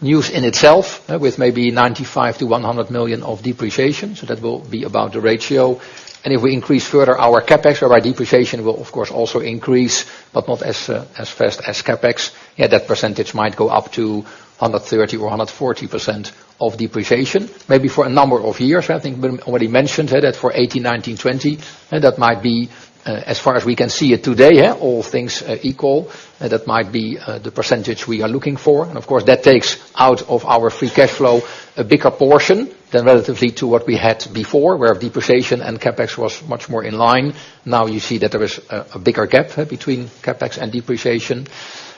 news in itself, with maybe 95 million-100 million of depreciation. That will be about the ratio. If we increase further our CapEx or our depreciation will of course also increase, but not as fast as CapEx. That percentage might go up to 130% or 140% of depreciation, maybe for a number of years. I think Wim already mentioned that for 2018, 2019, 2020. That might be as far as we can see it today, all things equal, that might be the percentage we are looking for. Of course, that takes out of our free cash flow a bigger portion than relatively to what we had before, where depreciation and CapEx was much more in line. Now you see that there is a bigger gap between CapEx and depreciation.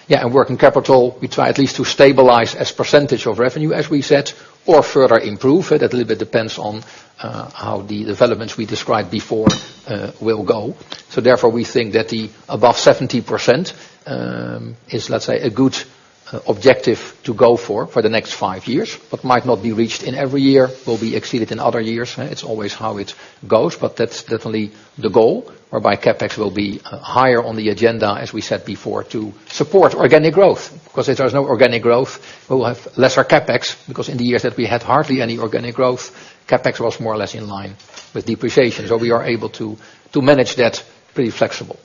Yeah, working capital, we try at least to stabilize as percentage of revenue, as we said, or further improve it. A little bit depends on how the developments we described before will go. Therefore, we think that above 70% is, let's say, a good objective to go for for the next five years, but might not be reached in every year, will be exceeded in other years. It's always how it goes, but that's definitely the goal. Whereby CapEx will be higher on the agenda, as we said before, to support organic growth. If there's no organic growth, we will have lesser CapEx, because in the years that we had hardly any organic growth, CapEx was more or less in line with depreciation. We are able to manage that pretty flexible.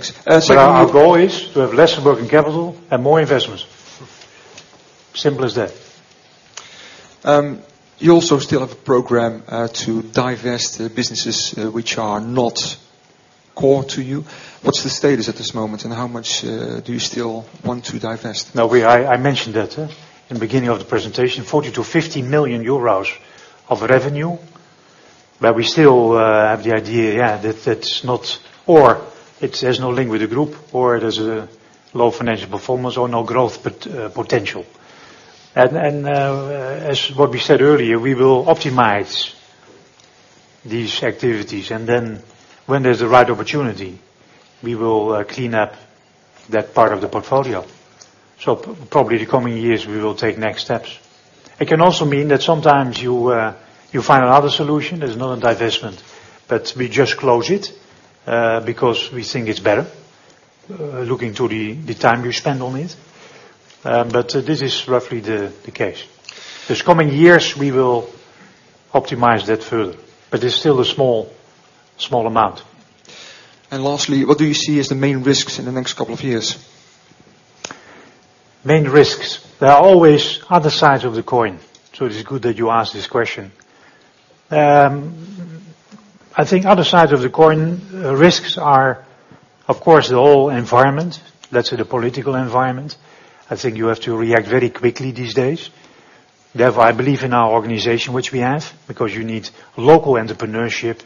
Thanks. Our goal is to have lesser working capital and more investments. Simple as that. You also still have a program to divest the businesses which are not core to you. What's the status at this moment, and how much do you still want to divest? No, I mentioned that in beginning of the presentation, 40 million to 50 million euros of revenue, where we still have the idea, yeah, that it's not It has no link with the group or it has a low financial performance or no growth potential. As what we said earlier, we will optimize these activities, and then when there's a right opportunity, we will clean up that part of the portfolio. Probably in the coming years, we will take next steps. It can also mean that sometimes you find another solution that is not a divestment, but we just close it because we think it's better looking to the time we spend on it. This is roughly the case. These coming years, we will optimize that further, but it's still a small amount. Lastly, what do you see as the main risks in the next couple of years? Main risks. There are always other sides of the coin, it is good that you ask this question. I think other side of the coin risks are, of course, the whole environment, let's say the political environment. I think you have to react very quickly these days. Therefore, I believe in our organization, which we have, because you need local entrepreneurship,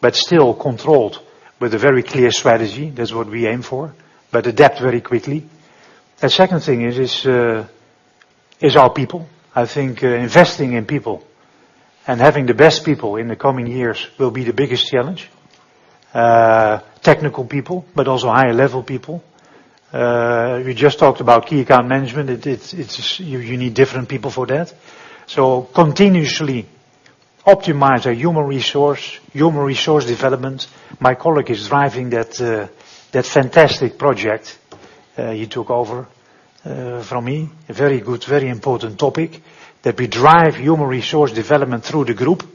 but still controlled with a very clear strategy. That's what we aim for. Adapt very quickly. The second thing is our people. I think investing in people and having the best people in the coming years will be the biggest challenge. Technical people, but also high-level people. We just talked about key account management. You need different people for that. Continuously optimize our human resource development. My colleague is driving that fantastic project he took over from me. A very good, very important topic. That we drive human resource development through the group,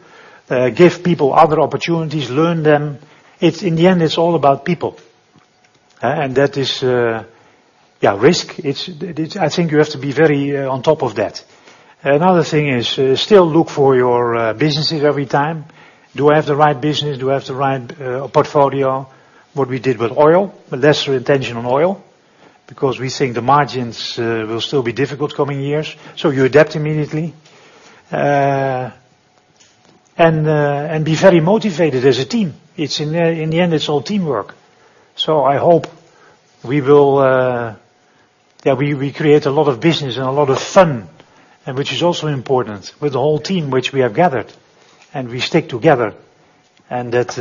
give people other opportunities, learn them. In the end, it's all about people. That is risk. I think you have to be very on top of that. Another thing is still look for your businesses every time. Do I have the right business? Do I have the right portfolio? What we did with oil, but lesser intention on oil, because we think the margins will still be difficult coming years. You adapt immediately. Be very motivated as a team. In the end, it's all teamwork. I hope that we create a lot of business and a lot of fun, and which is also important with the whole team, which we have gathered, and we stick together, and that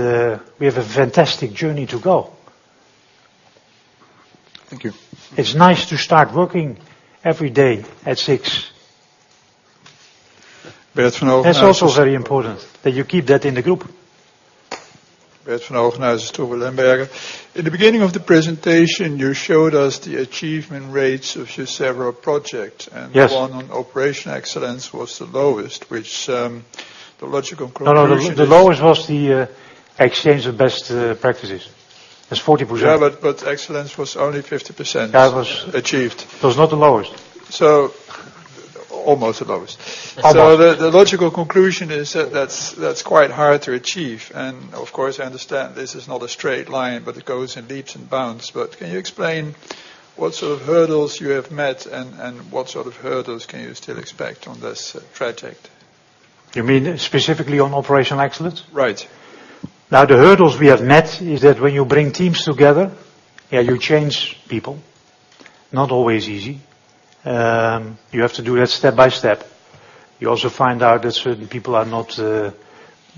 we have a fantastic journey to go. Thank you. It's nice to start working every day at 6:00. Bert Van Lerberghe. That is also very important that you keep that in the group. Bert Van Lerberghe, Tubbe Lemberge. In the beginning of the presentation, you showed us the achievement rates of your several projects. Yes. The one on operation excellence was the lowest, which the logical conclusion is. No. The lowest was the exchange of best practices. That is 40%. Yeah, excellence was only 50%. Yeah achieved. That was not the lowest. Almost the lowest. Almost. The logical conclusion is that that's quite hard to achieve. Of course, I understand this is not a straight line, but it goes in leaps and bounds. Can you explain what sort of hurdles you have met and what sort of hurdles can you still expect on this project? You mean specifically on operational excellence? Right. The hurdles we have met is that when you bring teams together, you change people. Not always easy. You have to do that step by step. You also find out that certain people are not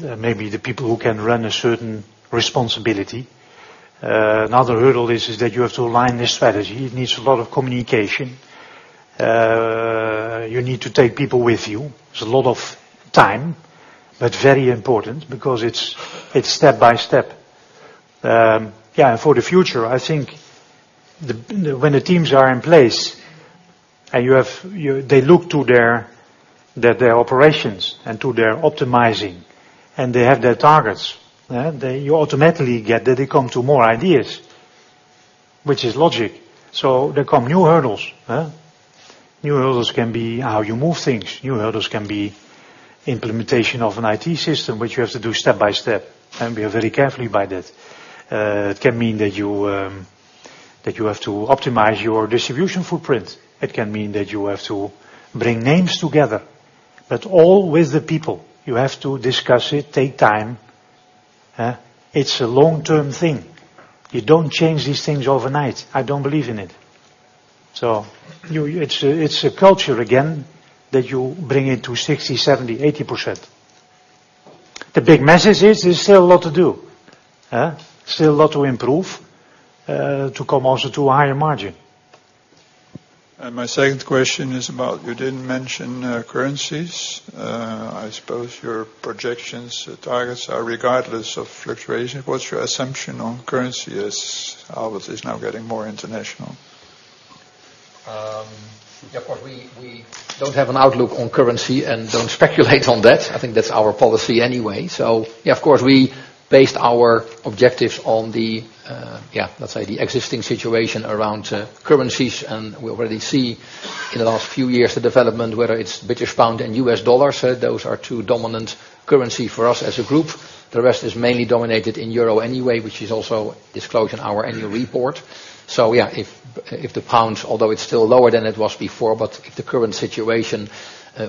maybe the people who can run a certain responsibility. Another hurdle is that you have to align the strategy. It needs a lot of communication. You need to take people with you. It is a lot of time, but very important because it is step by step. For the future, I think when the teams are in place and they look to their operations and to their optimizing and they have their targets, you automatically get that they come to more ideas, which is logic. There come new hurdles. New hurdles can be how you move things, new hurdles can be implementation of an IT system, which you have to do step by step, and be very carefully by that. It can mean that you have to optimize your distribution footprint. It can mean that you have to bring names together. All with the people, you have to discuss it, take time. It is a long-term thing. You do not change these things overnight. I do not believe in it. It is a culture again that you bring it to 60%, 70%, 80%. The big message is there is still a lot to do. Still a lot to improve, to come also to a higher margin. My second question is about you did not mention currencies. I suppose your projections targets are regardless of fluctuation. What is your assumption on currency as Aalberts is now getting more international? Of course, we don't have an outlook on currency and don't speculate on that. I think that's our policy anyway. Yeah, of course, we based our objectives on the, let's say, the existing situation around currencies, and we already see in the last few years, the development, whether it's British pound and US dollar. Those are two dominant currency for us as a group. The rest is mainly dominated in EUR anyway, which is also disclosed in our annual report. Yeah, if the pounds, although it's still lower than it was before, but if the current situation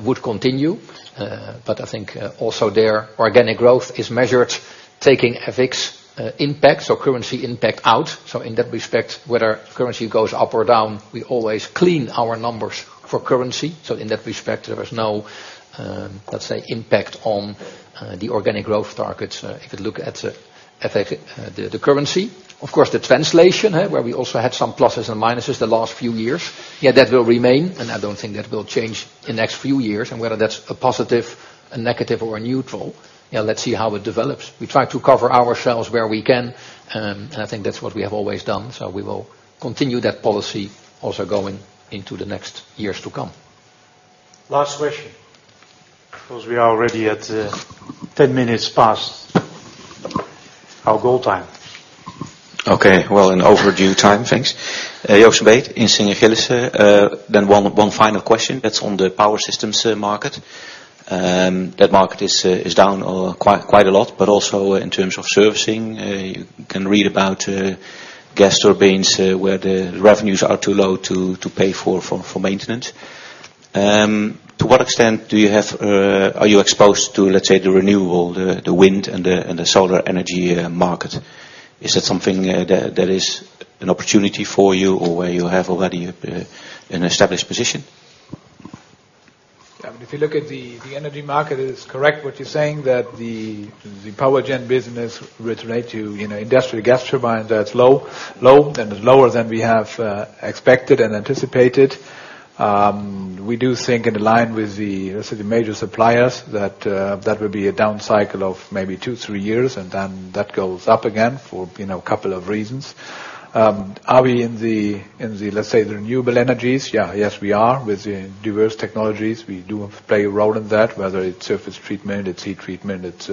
would continue. I think also there, organic growth is measured taking FX impact, so currency impact out. In that respect, whether currency goes up or down, we always clean our numbers for currency. In that respect, there is no, let's say, impact on the organic growth targets if you look at the currency. Of course, the translation, where we also had some pluses and minuses the last few years, that will remain, and I don't think that will change in next few years. Whether that's a positive, a negative, or a neutral, let's see how it develops. We try to cover ourselves where we can, and I think that's what we have always done. We will continue that policy also going into the next years to come. Last question, because we are already at 10 minutes past our goal time. Okay, well, in overdue time, thanks. Joseph Bates in Gillis. One final question that's on the power systems market. That market is down quite a lot, but also in terms of servicing. You can read about gas turbines where the revenues are too low to pay for maintenance. To what extent are you exposed to, let's say, the renewable, the wind, and the solar energy market? Is that something that is an opportunity for you or where you have already an established position? If you look at the energy market, it is correct what you're saying, that the power generation business with relate to industrial gas turbines, that's low and lower than we have expected and anticipated. We do think in line with the major suppliers that that will be a down cycle of maybe two, three years, and then that goes up again for a couple of reasons. Are we in the, let's say, the renewable energies? Yes, we are with the diverse technologies. We do play a role in that, whether it's surface treatment, it's heat treatment, it's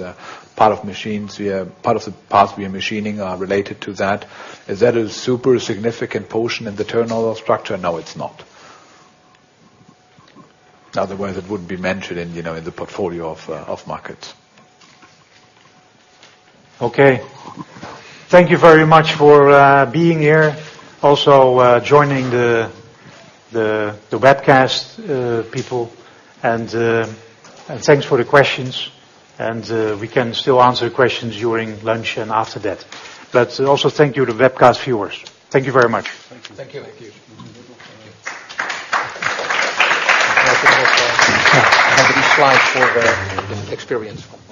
part of machines. Part of the parts we are machining are related to that. Is that a super significant portion in the turnover structure? No, it's not. Otherwise, it wouldn't be mentioned in the portfolio of markets. Okay. Thank you very much for being here, also joining the webcast, people. Thanks for the questions. We can still answer questions during lunch and after that. Also thank you to webcast viewers. Thank you very much. Thank you. Thank you. Thank you. I think that's every slide for the experience.